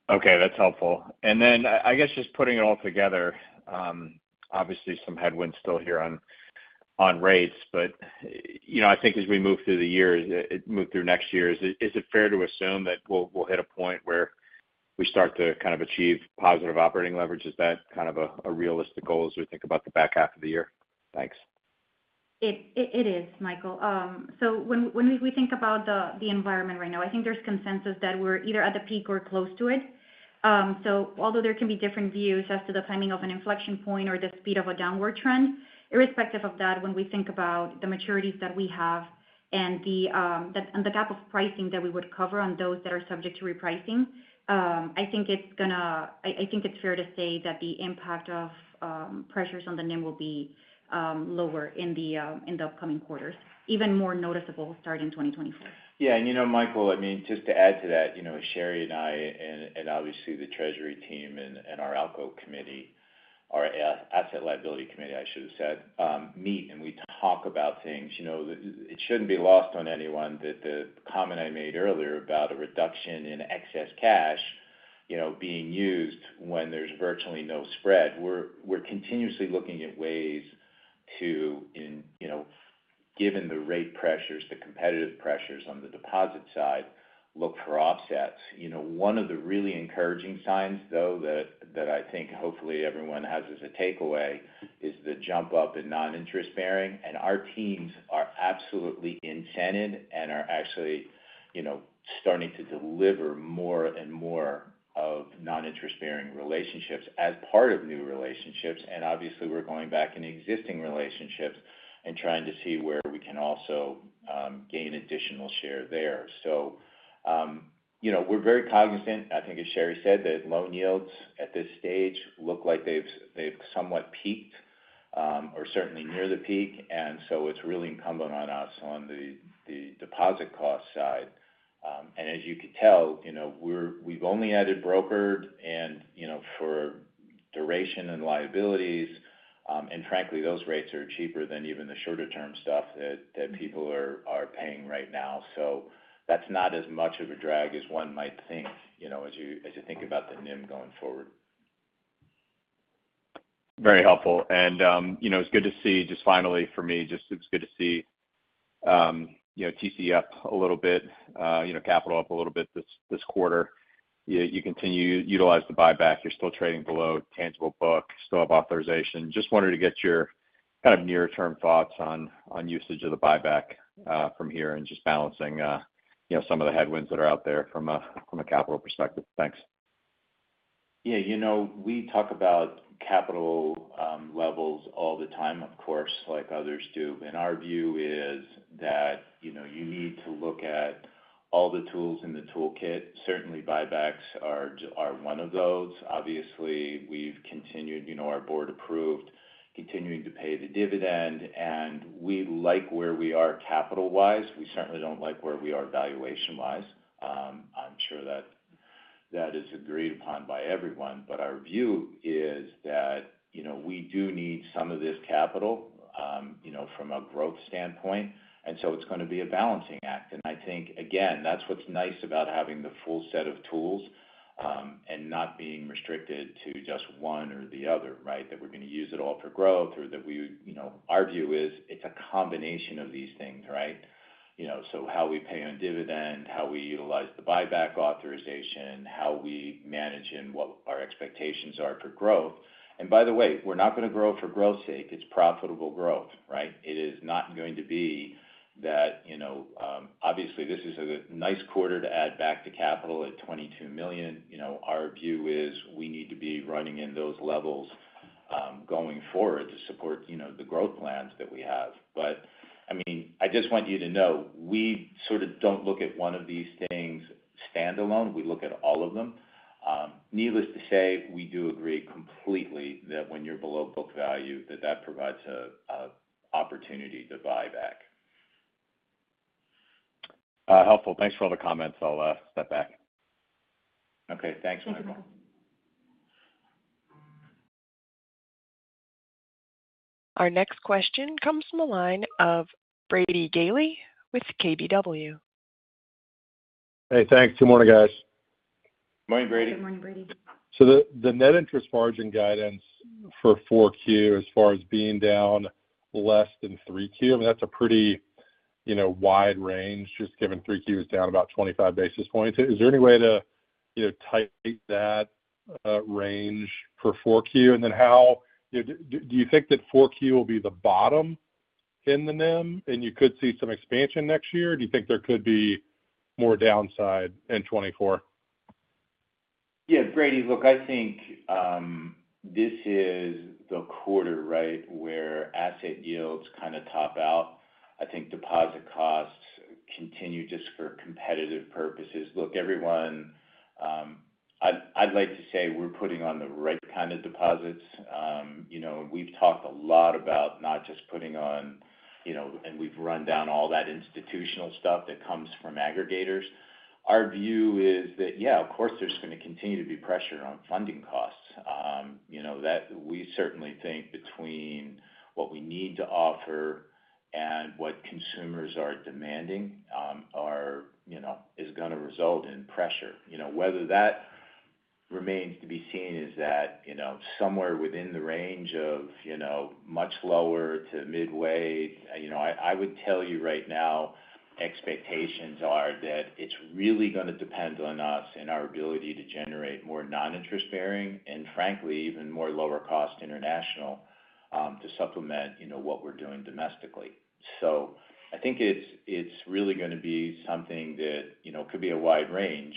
Okay, that's helpful. And then, I, I guess just putting it all together, obviously some headwinds still here on, on rates, but, you know, I think as we move through the years, move through next year, is it, is it fair to assume that we'll- we'll hit a point where we start to kind of achieve positive operating leverage? Is that kind of a, a realistic goal as we think about the back half of the year? Thanks. It is, Michael. So when we think about the environment right now, I think there's consensus that we're either at the peak or close to it. So although there can be different views as to the timing of an inflection point or the speed of a downward trend, irrespective of that, when we think about the maturities that we have and the gap of pricing that we would cover on those that are subject to repricing, I think it's gonna, I think it's fair to say that the impact of pressures on the NIM will be lower in the upcoming quarters, even more noticeable starting in 2024. Yeah, and you know, Michael, I mean, just to add to that, you know, Shary and I, and obviously the treasury team and our ALCO committee, our Asset Liability Committee, I should have said, meet, and we talk about things. You know, it shouldn't be lost on anyone that the comment I made earlier about a reduction in excess cash, you know, being used when there's virtually no spread. We're continuously looking at ways to, you know, given the rate pressures, the competitive pressures on the deposit side, look for offsets. You know, one of the really encouraging signs, though, that I think hopefully everyone has as a takeaway, is the jump up in non-interest-bearing, and our teams are absolutely intended and are actually, you know, starting to deliver more and more of non-interest-bearing relationships as part of new relationships. Obviously, we're going back in existing relationships and trying to see where we can also gain additional share there. So, you know, we're very cognizant, I think as Shary said, that loan yields at this stage look like they've somewhat peaked or certainly near the peak, and so it's really incumbent on us on the deposit cost side. As you can tell, you know, we've only added brokered and, you know, for duration and liabilities, and frankly, those rates are cheaper than even the shorter-term stuff that people are paying right now. So that's not as much of a drag as one might think, you know, as you think about the NIM going forward. Very helpful. You know, it's good to see, just finally for me, just it's good to see, you know, TCE up a little bit, you know, capital up a little bit this quarter. You continue to utilize the buyback. You're still trading below tangible book, still have authorization. Just wanted to get your kind of near-term thoughts on usage of the buyback from here and just balancing, you know, some of the headwinds that are out there from a capital perspective. Thanks. Yeah, you know, we talk about capital levels all the time, of course, like others do. And our view is that, you know, you need to look at all the tools in the toolkit. Certainly, buybacks are one of those. Obviously, we've continued, you know, our board-approved, continuing to pay the dividend, and we like where we are capital-wise. We certainly don't like where we are valuation-wise. I'm sure that is agreed upon by everyone. But our view is that, you know, we do need some of this capital, you know, from a growth standpoint, and so it's going to be a balancing act. And I think, again, that's what's nice about having a full set of tools, and not being restricted to just one or the other, right? That we're going to use it all for growth or that we, you know, our view is it's a combination of these things, right? You know, so how we pay on dividend, how we utilize the buyback authorization, how we manage and what our expectations are for growth. And by the way, we're not going to grow for growth's sake. It's profitable growth, right? It is not going to be that, you know, obviously, this is a nice quarter to add back to capital at $22 million. You know, our view is we need to be running in those levels, going forward to support, you know, the growth plans that we have. But I mean, I just want you to know, we sort of don't look at one of these things standalone. We look at all of them. Needless to say, we do agree completely that when you're below book value, that that provides a, a opportunity to buy back. Helpful. Thanks for all the comments. I'll step back. Okay. Thanks, Michael. Thank you, Michael. Our next question comes from the line of Brady Gailey with KBW. Hey, thanks. Good morning, guys. Morning, Brady. Good morning, Brady. So the net interest margin guidance for 4Q, as far as being down less than 3Q, I mean, that's a pretty, you know, wide range, just given 3Q is down about 25 basis points. Is there any way to, you know, tighten that range for 4Q? And then, how do you think that 4Q will be the bottom in the NIM, and you could see some expansion next year? Do you think there could be more downside in 2024? Yeah, Brady, look, I think this is the quarter, right, where asset yields kind of top out. I think deposit costs continue just for competitive purposes. Look, everyone, I'd, I'd like to say we're putting on the right kind of deposits. You know, we've talked a lot about not just putting on, you know, and we've run down all that institutional stuff that comes from aggregators. Our view is that, yeah, of course, there's going to continue to be pressure on funding costs. You know, that we certainly think between what we need to offer and what consumers are demanding, are, you know, is going to result in pressure. You know, whether that remains to be seen is that, you know, somewhere within the range of, you know, much lower to midway. You know, I would tell you right now, expectations are that it's really going to depend on us and our ability to generate more non-interest bearing, and frankly, even more lower-cost international, to supplement, you know, what we're doing domestically. So I think it's really going to be something that, you know, could be a wide range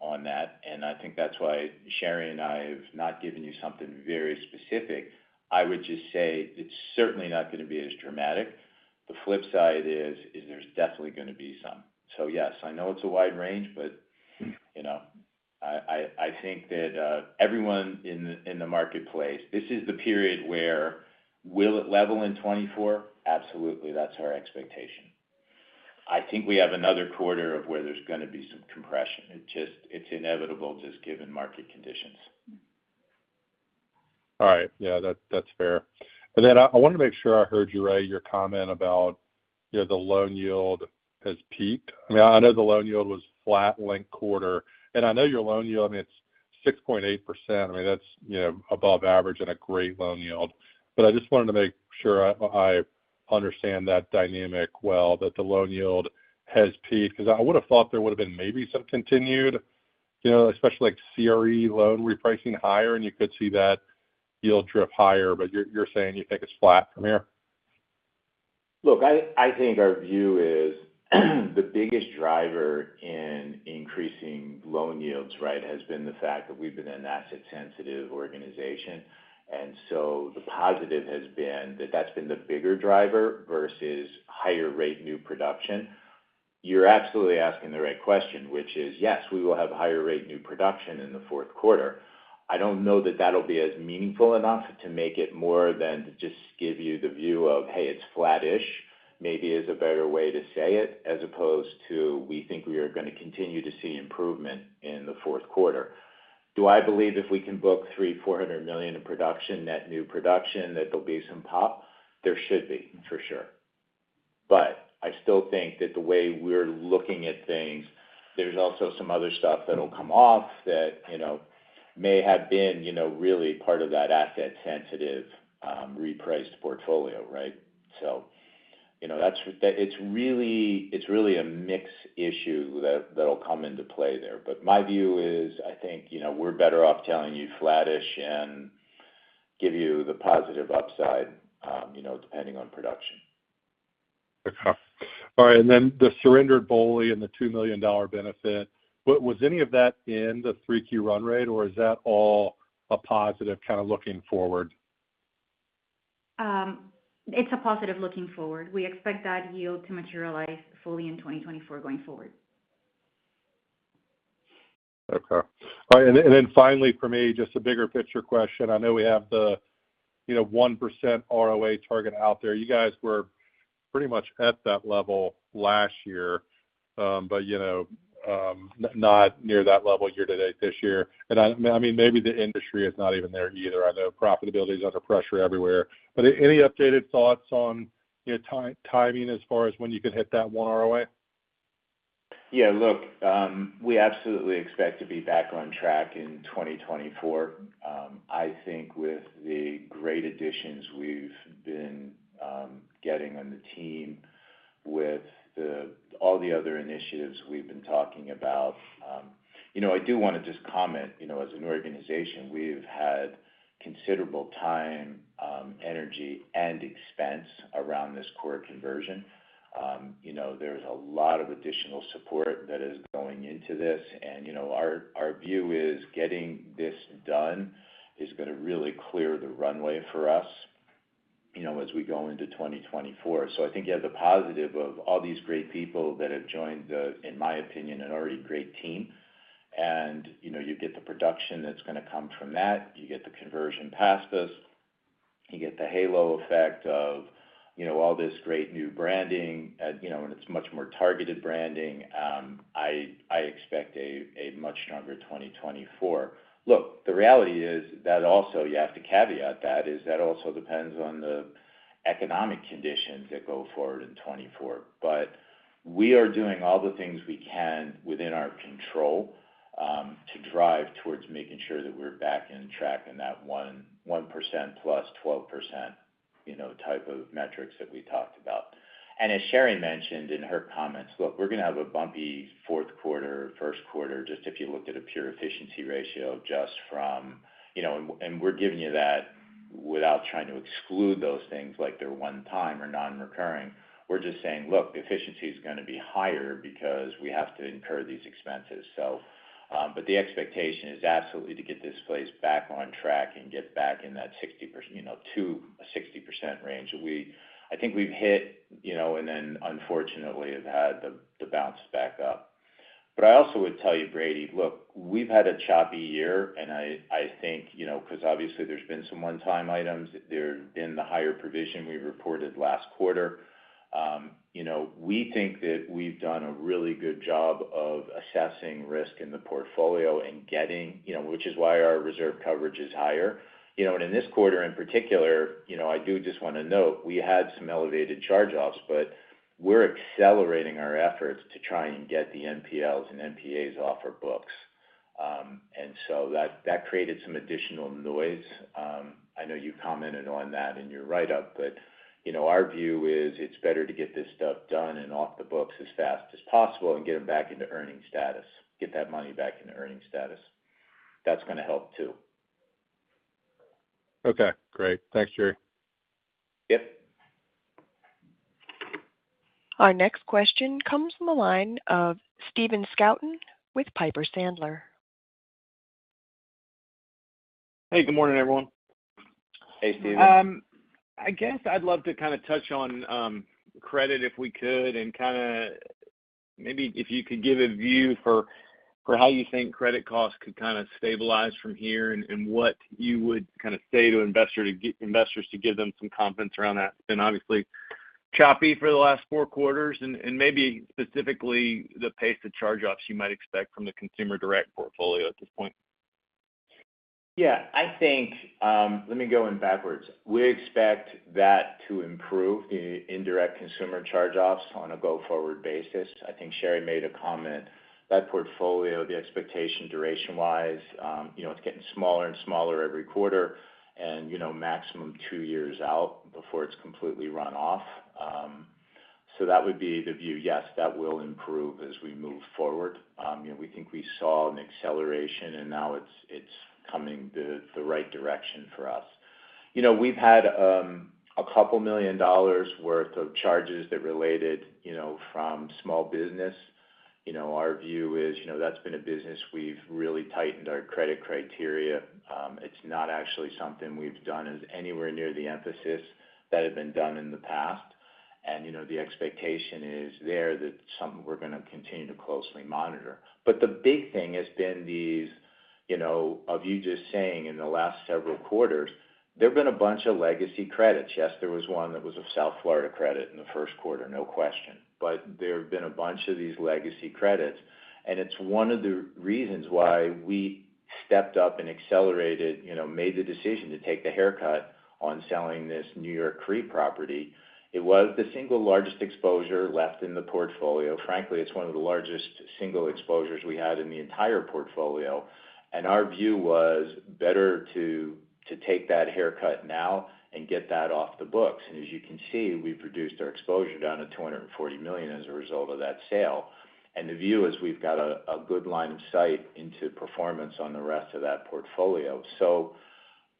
on that, and I think that's why Shary and I have not given you something very specific. I would just say it's certainly not going to be as dramatic. The flip side is there's definitely going to be some. So yes, I know it's a wide range, but, you know, I think that everyone in the marketplace, this is the period where will it level in 2024? Absolutely. That's our expectation. I think we have another quarter of where there's going to be some compression. It's inevitable just given market conditions. All right. Yeah, that, that's fair. And then I, I wanted to make sure I heard you right, your comment about, you know, the loan yield has peaked. I know the loan yield was flat linked quarter, and I know your loan yield, I mean, it's 6.8%. I mean, that's, you know, above average and a great loan yield. But I just wanted to make sure I, I understand that dynamic well, that the loan yield has peaked. Because I would have thought there would have been maybe some continued, you know, especially like CRE loan repricing higher, and you could see that yield drip higher, but you're, you're saying you think it's flat from here? Look, I, I think our view is, the biggest driver in increasing loan yields, right, has been the fact that we've been an asset-sensitive organization, and so the positive has been that that's been the bigger driver versus higher rate new production. You're absolutely asking the right question, which is, yes, we will have higher rate new production in the Q4. I don't know that that'll be as meaningful enough to make it more than just give you the view of, "Hey, it's flattish," maybe is a better way to say it, as opposed to, we think we are going to continue to see improvement in the Q4. Do I believe if we can book $300-$400 million in production, net new production, that there'll be some pop? There should be, for sure. But I still think that the way we're looking at things, there's also some other stuff that'll come off that, you know, may have been, you know, really part of that asset-sensitive, repriced portfolio, right? So, you know, that's. It's really, it's really a mix issue that, that'll come into play there. But my view is, I think, you know, we're better off telling you flattish and give you the positive upside, you know, depending on production. Okay. All right, and then the surrendered BOLI and the $2 million benefit, what was any of that in the 3Q run rate, or is that all a positive kind of looking forward? It's a positive looking forward. We expect that yield to materialize fully in 2024 going forward. Okay. All right, and then finally for me, just a bigger picture question. I know we have the, you know, 1% ROA target out there. You guys were pretty much at that level last year, but, you know, not near that level year to date this year. And I mean, maybe the industry is not even there either. I know profitability is under pressure everywhere, but any updated thoughts on, you know, timing as far as when you could hit that 1% ROA? Yeah, look, we absolutely expect to be back on track in 2024. I think with the great additions we've been getting on the team, with all the other initiatives we've been talking about. You know, I do want to just comment, you know, as an organization, we've had considerable time, energy, and expense around this core conversion. You know, there's a lot of additional support that is going into this. And, you know, our view is getting this done is going to really clear the runway for us, you know, as we go into 2024. So I think you have the positive of all these great people that have joined the, in my opinion, an already great team. And, you know, you get the production that's going to come from that. You get the conversion past this. You get the halo effect of, you know, all this great new branding, you know, and it's much more targeted branding. I expect a much stronger 2024. Look, the reality is that also you have to caveat that, is that also depends on the economic conditions that go forward in 2024. But we are doing all the things we can within our control, to drive towards making sure that we're back on track in that 1% plus 12%, you know, type of metrics that we talked about. And as Shary mentioned in her comments, look, we're going to have a bumpy Q4, Q1, just if you looked at a pure efficiency ratio, just from... You know, and we're giving you that without trying to exclude those things, like they're one time or non-recurring. We're just saying, "Look, efficiency is going to be higher because we have to incur these expenses." So, but the expectation is absolutely to get this place back on track and get back in that 60%, you know, to a 60% range. I think we've hit, you know, and then unfortunately, have had the bounce back up. But I also would tell you, Brady, look, we've had a choppy year, and I think, you know, because obviously there's been some one-time items there in the higher provision we reported last quarter. You know, we think that we've done a really good job of assessing risk in the portfolio and getting, you know, which is why our reserve coverage is higher. You know, and in this quarter, in particular, you know, I do just want to note, we had some elevated charge-offs, but we're accelerating our efforts to try and get the NPLs and NPAs off our books. And so that created some additional noise. I know you commented on that in your write-up, but, you know, our view is it's better to get this stuff done and off the books as fast as possible and get them back into earning status. Get that money back into earning status. That's going to help, too. Okay, great. Thanks, Jerry. Yep. Our next question comes from the line of Stephen Scouten with Piper Sandler. Hey, good morning, everyone. Hey, Stephen. I guess I'd love to kind of touch on credit, if we could, and kind of maybe if you could give a view for how you think credit costs could kind of stabilize from here, and what you would kind of say to investors to give them some confidence around that. It's been obviously choppy for the last four quarters, and maybe specifically, the pace of charge-offs you might expect from the consumer direct portfolio at this point. Yeah, I think, let me go in backwards. We expect that to improve the indirect consumer charge-offs on a go-forward basis. I think Shary made a comment. That portfolio, the expectation duration-wise, you know, it's getting smaller and smaller every quarter and, you know, maximum two years out before it's completely run off. So that would be the view. Yes, that will improve as we move forward. You know, we think we saw an acceleration, and now it's coming the right direction for us. You know, we've had $2 million worth of charges that related, you know, from small business. You know, our view is, you know, that's been a business we've really tightened our credit criteria. It's not actually something we've done is anywhere near the emphasis that had been done in the past. You know, the expectation is there that some we're going to continue to closely monitor. But the big thing has been these, you know, of you just saying in the last several quarters, there have been a bunch of legacy credits. Yes, there was one that was a South Florida credit in the Q1, no question, but there have been a bunch of these legacy credits, and it's one of the reasons why we stepped up and accelerated, you know, made the decision to take the haircut on selling this New York CRE property. It was the single largest exposure left in the portfolio. Frankly, it's one of the largest single exposures we had in the entire portfolio, and our view was better to take that haircut now and get that off the books. As you can see, we've reduced our exposure down to $240 million as a result of that sale. The view is we've got a good line of sight into performance on the rest of that portfolio. So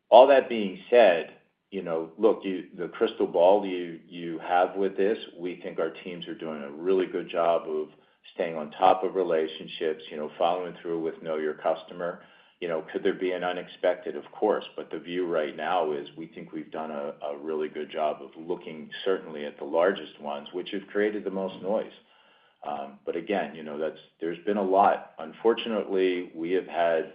all that being said, you know, look, you, the crystal ball you have with this, we think our teams are doing a really good job of staying on top of relationships, you know, following through with Know Your Customer. You know, could there be an unexpected? Of course, but the view right now is we think we've done a really good job of looking certainly at the largest ones, which have created the most noise. But again, you know, that's, there's been a lot. Unfortunately, we have had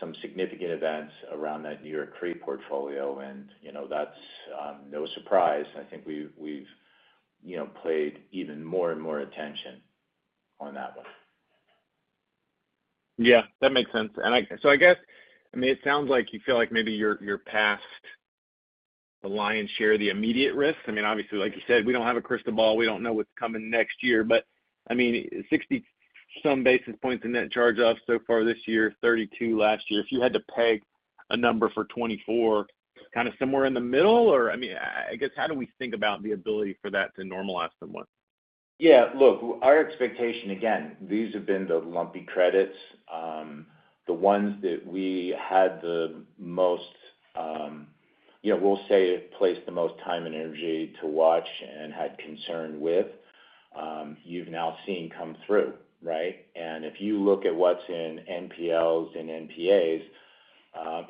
some significant events around that New York CRE portfolio and, you know, that's no surprise. I think we've played even more and more attention on that one. Yeah, that makes sense. And I, so I guess, I mean, it sounds like you feel like maybe you're, you're past the lion's share of the immediate risk. I mean, obviously, like you said, we don't have a crystal ball. We don't know what's coming next year. But I mean, 60-some basis points in net charge-offs so far this year, 32 last year. If you had to peg a number for 2024, kind of somewhere in the middle, or I mean, I, I guess, how do we think about the ability for that to normalize somewhat? Yeah, look, our expectation, again, these have been the lumpy credits. The ones that we had the most, you know, we'll say, placed the most time and energy to watch and had concern with, you've now seen come through, right? And if you look at what's in NPLs and NPAs,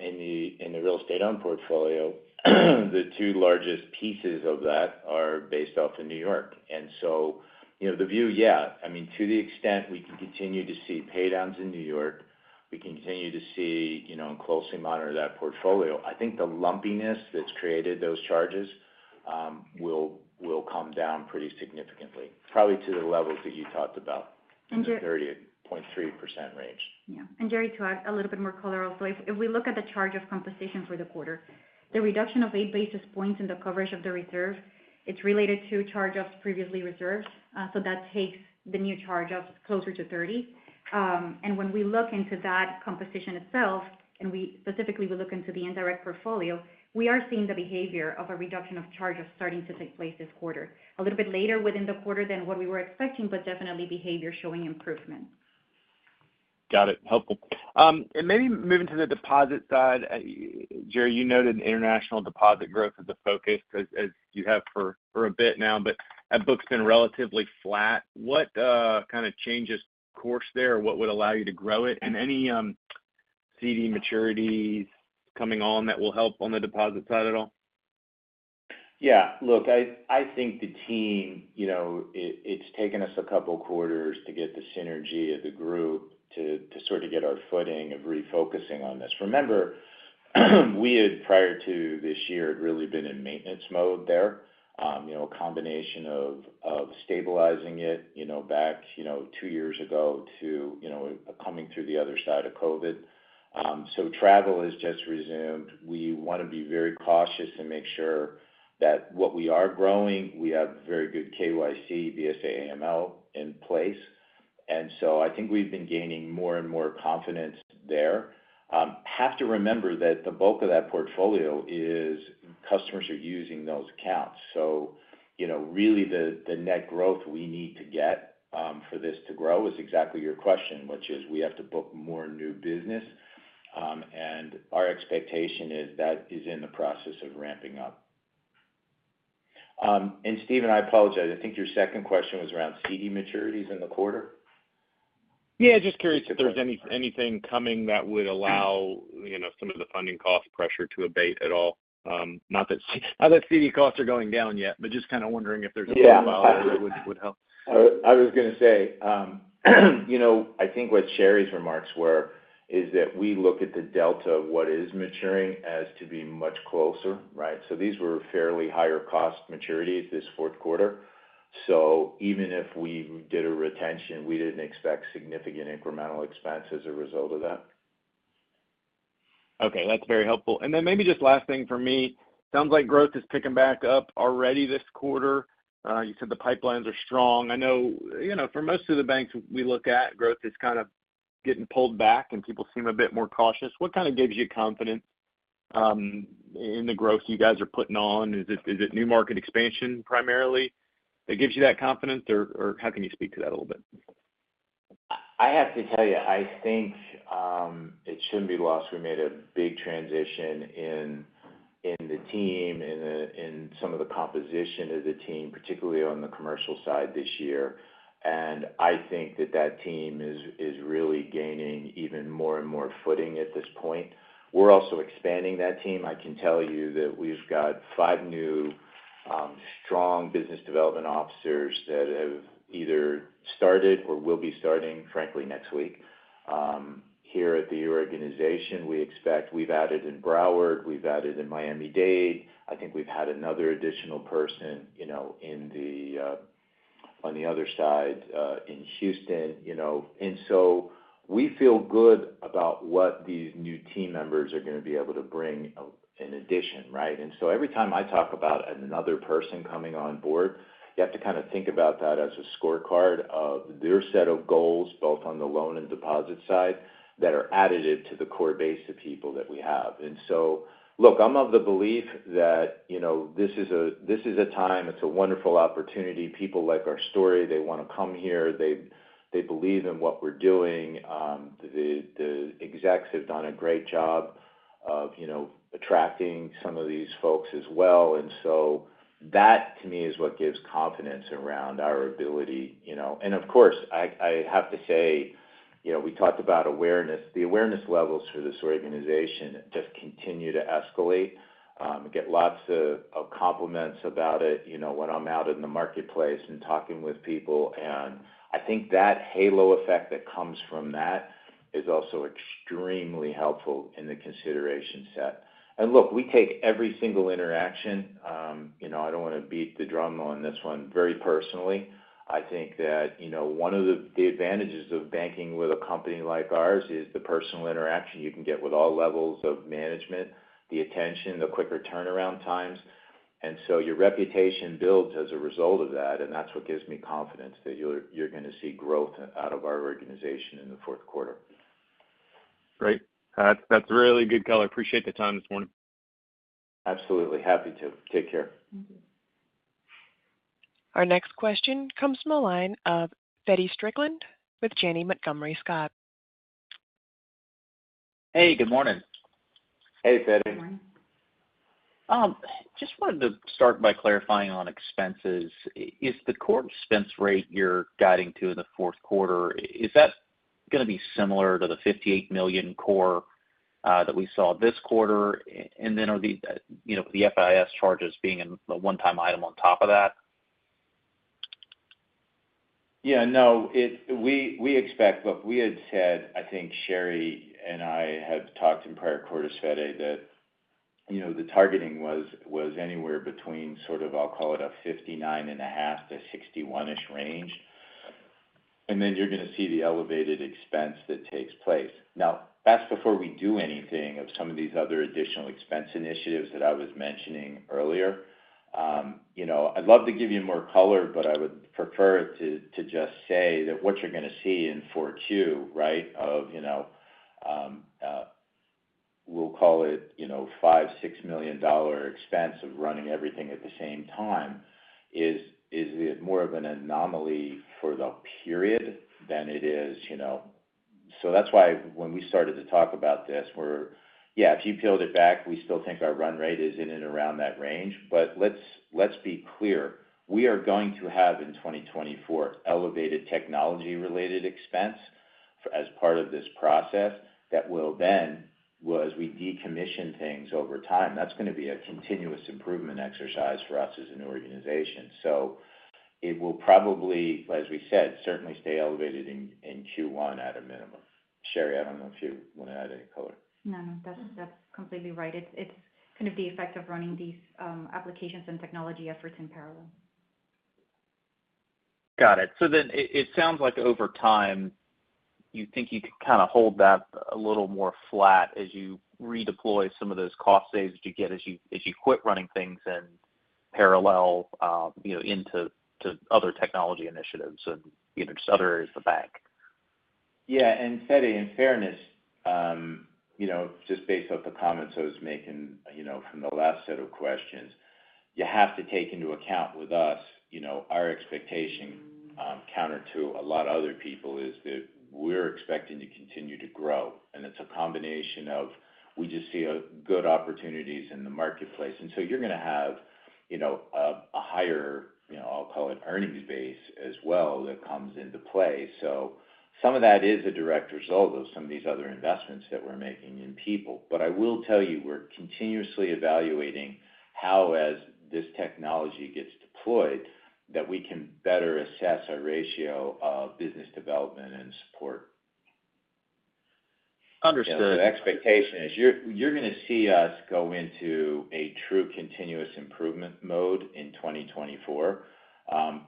in the real estate owned portfolio, the two largest pieces of that are based off in New York. And so, you know, the view, yeah, I mean, to the extent we can continue to see pay downs in New York, we continue to see, you know, and closely monitor that portfolio. I think the lumpiness that's created those charges, will, will come down pretty significantly, probably to the levels that you talked about, in the 30.3% range. Yeah. And Jerry, to add a little bit more color also, if we look at the charge-off composition for the quarter, the reduction of eight basis points in the coverage of the reserve, it's related to charge-offs previously reserved. So that takes the new charge-offs closer to 30. And when we look into that composition itself, and we specifically look into the indirect portfolio, we are seeing the behavior of a reduction of charge-offs starting to take place this quarter. A little bit later within the quarter than what we were expecting, but definitely behavior showing improvement. Got it. Helpful. And maybe moving to the deposit side. Jerry, you noted international deposit growth as a focus, as you have for a bit now, but that book's been relatively flat. What kind of changes course there, or what would allow you to grow it? And any CD maturities coming on that will help on the deposit side at all? Yeah, look, I think the team, you know, it's taken us a couple of quarters to get the synergy of the group to sort of get our footing of refocusing on this. Remember, we had, prior to this year, really been in maintenance mode there. You know, a combination of stabilizing it, you know, back, you know, two years ago to, you know, coming through the other side of COVID. So travel has just resumed. We want to be very cautious and make sure that what we are growing, we have very good KYC, BSA, AML in place. And so I think we've been gaining more and more confidence there. Have to remember that the bulk of that portfolio is customers are using those accounts. So you know, really, the net growth we need to get for this to grow is exactly your question, which is we have to book more new business, and our expectation is that is in the process of ramping up. And Stephen, I apologize. I think your second question was around CD maturities in the quarter? Yeah, just curious if there's anything coming that would allow, you know, some of the funding cost pressure to abate at all. Not that, not that CD costs are going down yet, but just kind of wondering if there's a profile that would help. I was going to say, you know, I think what Shary's remarks were, is that we look at the delta of what is maturing as to be much closer, right? So these were fairly higher cost maturities this Q4. So even if we did a retention, we didn't expect significant incremental expense as a result of that. Okay, that's very helpful. And then maybe just last thing for me, sounds like growth is picking back up already this quarter. You said the pipelines are strong. I know, you know, for most of the banks we look at, growth is kind of getting pulled back, and people seem a bit more cautious. What kind of gives you confidence in the growth you guys are putting on? Is it new market expansion, primarily, that gives you that confidence? Or how can you speak to that a little bit? I have to tell you, I think it shouldn't be lost. We made a big transition in the team, in some of the composition of the team, particularly on the commercial side this year. And I think that that team is really gaining even more and more footing at this point. We're also expanding that team. I can tell you that we've got five new strong business development officers that have either started or will be starting, frankly, next week. Here at the organization, we expect we've added in Broward, we've added in Miami-Dade. I think we've had another additional person, you know, in the on the other side in Houston, you know. And so we feel good about what these new team members are going to be able to bring in addition, right? And so every time I talk about another person coming on board, you have to kind of think about that as a scorecard of their set of goals, both on the loan and deposit side, that are additive to the core base of people that we have. And so, look, I'm of the belief that, you know, this is a, this is a time, it's a wonderful opportunity. People like our story. They want to come here. They believe in what we're doing. The execs have done a great job of, you know, attracting some of these folks as well. And so that, to me, is what gives confidence around our ability, you know. And of course, I have to say, you know, we talked about awareness. The awareness levels for this organization just continue to escalate. Get lots of compliments about it, you know, when I'm out in the marketplace and talking with people, and I think that halo effect that comes from that is also extremely helpful in the consideration set. And look, we take every single interaction, you know, I don't want to beat the drum on this one, very personally. I think that, you know, one of the advantages of banking with a company like ours is the personal interaction you can get with all levels of management, the attention, the quicker turnaround times. And so your reputation builds as a result of that, and that's what gives me confidence that you're going to see growth out of our organization in the Q4. Great. That's, that's really good color. I appreciate the time this morning. Absolutely. Happy to. Take care. Our next question comes from the line of Feddie Strickland with Janney Montgomery Scott. Hey, good morning. Hey, Feddie. Good morning. Just wanted to start by clarifying on expenses. Is the core expense rate you're guiding to in the Q4, is that going to be similar to the $58 million core that we saw this quarter? And then are the, you know, the FIS charges being a one-time item on top of that? Yeah, no. We expect, look, we had said, I think Shary and I had talked in prior quarters, Feddie, that, you know, the targeting was anywhere between sort of, I'll call it, a 59.5-61-ish range. And then you're going to see the elevated expense that takes place. Now, that's before we do anything of some of these other additional expense initiatives that I was mentioning earlier. You know, I'd love to give you more color, but I would prefer to just say that what you're going to see in four two, right, of, you know, $5-$6 million expense of running everything at the same time, is more of an anomaly for the period than it is, you know. So that's why when we started to talk about this, we're. Yeah, if you peeled it back, we still think our run rate is in and around that range. But let's, let's be clear, we are going to have, in 2024, elevated technology-related expense as part of this process that will then, well, as we decommission things over time, that's going to be a continuous improvement exercise for us as an organization. So it will probably, as we said, certainly stay elevated in, in Q1 at a minimum. Shary, I don't know if you want to add any color? No, no, that's completely right. It's kind of the effect of running these applications and technology efforts in parallel. Got it. So then it sounds like over time, you think you could kind of hold that a little more flat as you redeploy some of those cost saves that you get as you quit running things in parallel, you know, into other technology initiatives and, you know, just other areas of the bank. Yeah, and Feddie, in fairness, you know, just based off the comments I was making, you know, from the last set of questions, you have to take into account with us, you know, our expectation, counter to a lot of other people, is that we're expecting to continue to grow. And it's a combination of, we just see a good opportunities in the marketplace. And so you're going to have, you know, a higher, you know, I'll call it, earnings base as well, that comes into play. So some of that is a direct result of some of these other investments that we're making in people. But I will tell you, we're continuously evaluating how, as this technology gets deployed, that we can better assess our ratio of business development and support. Understood. The expectation is you're, you're going to see us go into a true continuous improvement mode in 2024.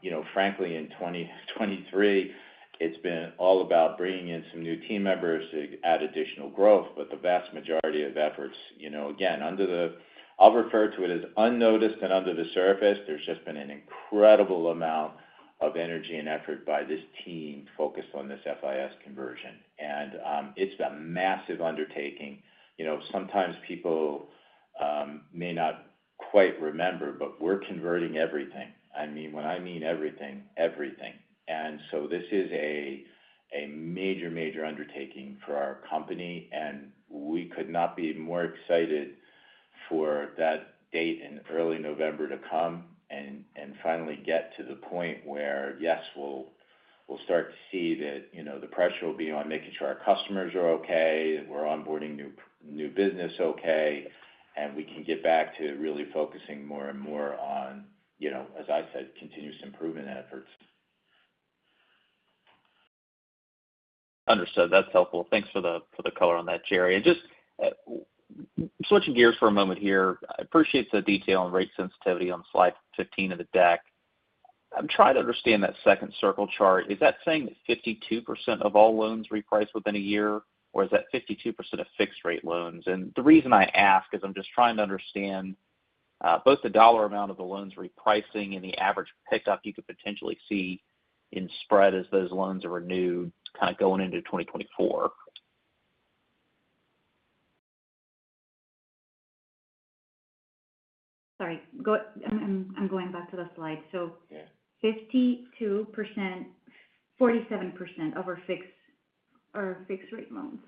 You know, frankly, in 2023, it's been all about bringing in some new team members to add additional growth, but the vast majority of efforts, you know, again, I'll refer to it as unnoticed and under the surface, there's just been an incredible amount of energy and effort by this team focused on this FIS conversion, and, it's been a massive undertaking. You know, sometimes people may not quite remember, but we're converting everything. I mean, when I mean everything, everything. And so this is a major, major undertaking for our company, and we could not be more excited for that date in early November to come and finally get to the point where, yes, we'll start to see that, you know, the pressure will be on making sure our customers are okay, that we're onboarding new business okay, and we can get back to really focusing more and more on, you know, as I said, continuous improvement efforts. Understood. That's helpful. Thanks for the, for the color on that, Shary. And just, switching gears for a moment here, I appreciate the detail on rate sensitivity on slide 15 of the deck. I'm trying to understand that second circle chart. Is that saying that 52% of all loans reprice within a year, or is that 52% of fixed rate loans? And the reason I ask is I'm just trying to understand, both the dollar amount of the loans repricing and the average pickup you could potentially see in spread as those loans are renewed, kind of going into 2024. Sorry, I'm going back to the slide. So. Yeah. 52%, 47% of our fixed, or fixed rate loans.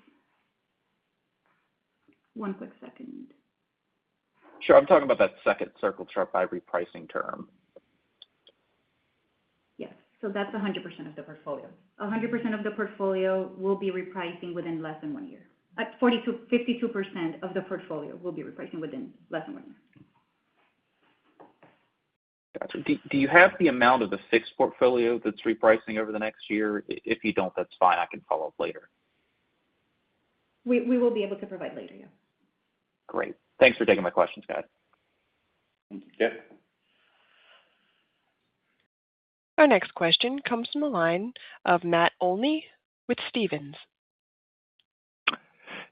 One quick second. Sure. I'm talking about that second circle chart by repricing term. Yes. So that's 100% of the portfolio. 100% of the portfolio will be repricing within less than one year. 52% of the portfolio will be repricing within less than one year. Got you. Do you have the amount of the fixed portfolio that's repricing over the next year? If you don't, that's fine. I can follow up later. We will be able to provide later, yeah. Great. Thanks for taking my questions, guys. Yep. Our next question comes from the line of Matt Olney with Stephens.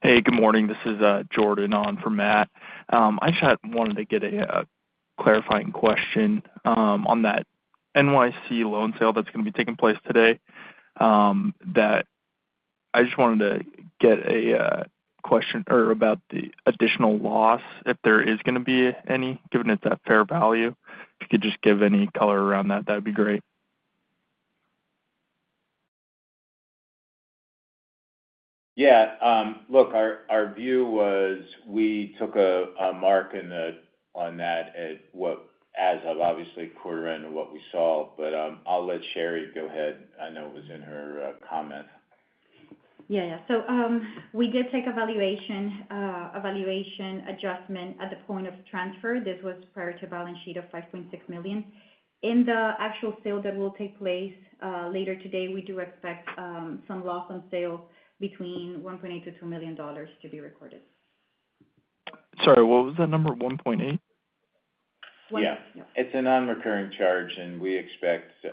Hey, good morning. This is Jordan on for Matt. I just had wanted to get a clarifying question on that NYC loan sale that's going to be taking place today. That I just wanted to get a question or about the additional loss, if there is gonna be any, given it's at fair value. If you could just give any color around that, that'd be great. Yeah. Look, our view was we took a mark on that as of obviously quarter end and what we saw. But, I'll let Shary go ahead. I know it was in her comment. Yeah. Yeah. So, we did take a valuation, a valuation adjustment at the point of transfer. This was prior to balance sheet of $5.6 million. In the actual sale that will take place, later today, we do expect some loss on sale between $1.8-$2 million to be recorded. Sorry, what was that number? 1.8? One. Yeah. It's a nonrecurring charge, and we expect,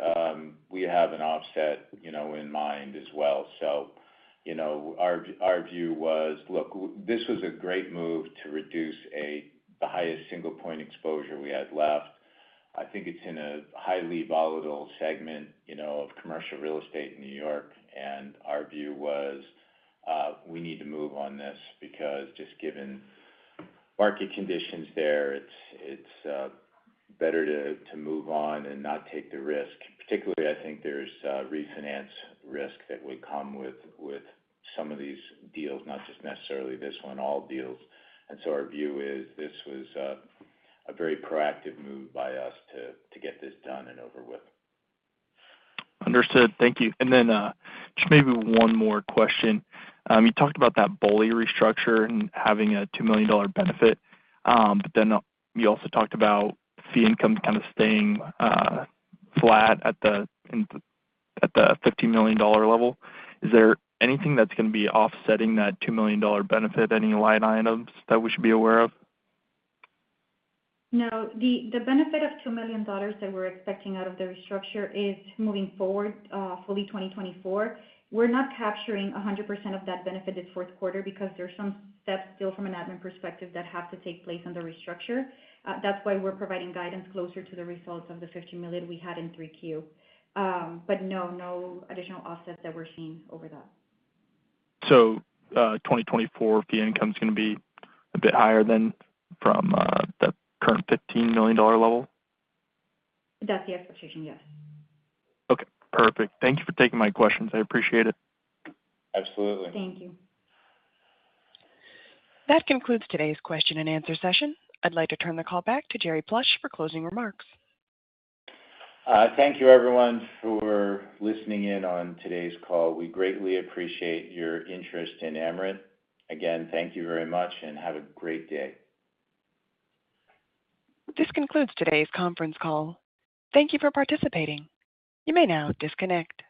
we have an offset, you know, in mind as well. So, you know, our view was: Look, this was a great move to reduce the highest single-point exposure we had left. I think it's in a highly volatile segment, you know, of commercial real estate in New York, and our view was, we need to move on this because just given market conditions there, it's better to move on and not take the risk. Particularly, I think there's a refinance risk that would come with some of these deals, not just necessarily this one, all deals. And so our view is this was a very proactive move by us to get this done and over with. Understood. Thank you. And then just maybe one more question. You talked about that Boli restructure and having a $2 million benefit. But then you also talked about fee income kind of staying flat at the $15 million level. Is there anything that's going to be offsetting that $2 million benefit? Any line items that we should be aware of? No. The benefit of $2 million that we're expecting out of the restructure is moving forward fully 2024. We're not capturing 100% of that benefit this Q4 because there's some steps still from an admin perspective that have to take place on the restructure. That's why we're providing guidance closer to the results of the $15 million we had in 3Q. But no, no additional offsets that we're seeing over that. So, 2024, fee income is going to be a bit higher than from the current $15 million level? That's the expectation, yes. Okay, perfect. Thank you for taking my questions. I appreciate it. Absolutely. Thank you. That concludes today's question and answer session. I'd like to turn the call back to Jerry Plush for closing remarks. Thank you, everyone, for listening in on today's call. We greatly appreciate your interest in Amerant. Again, thank you very much and have a great day. This concludes today's conference call. Thank you for participating. You may now disconnect.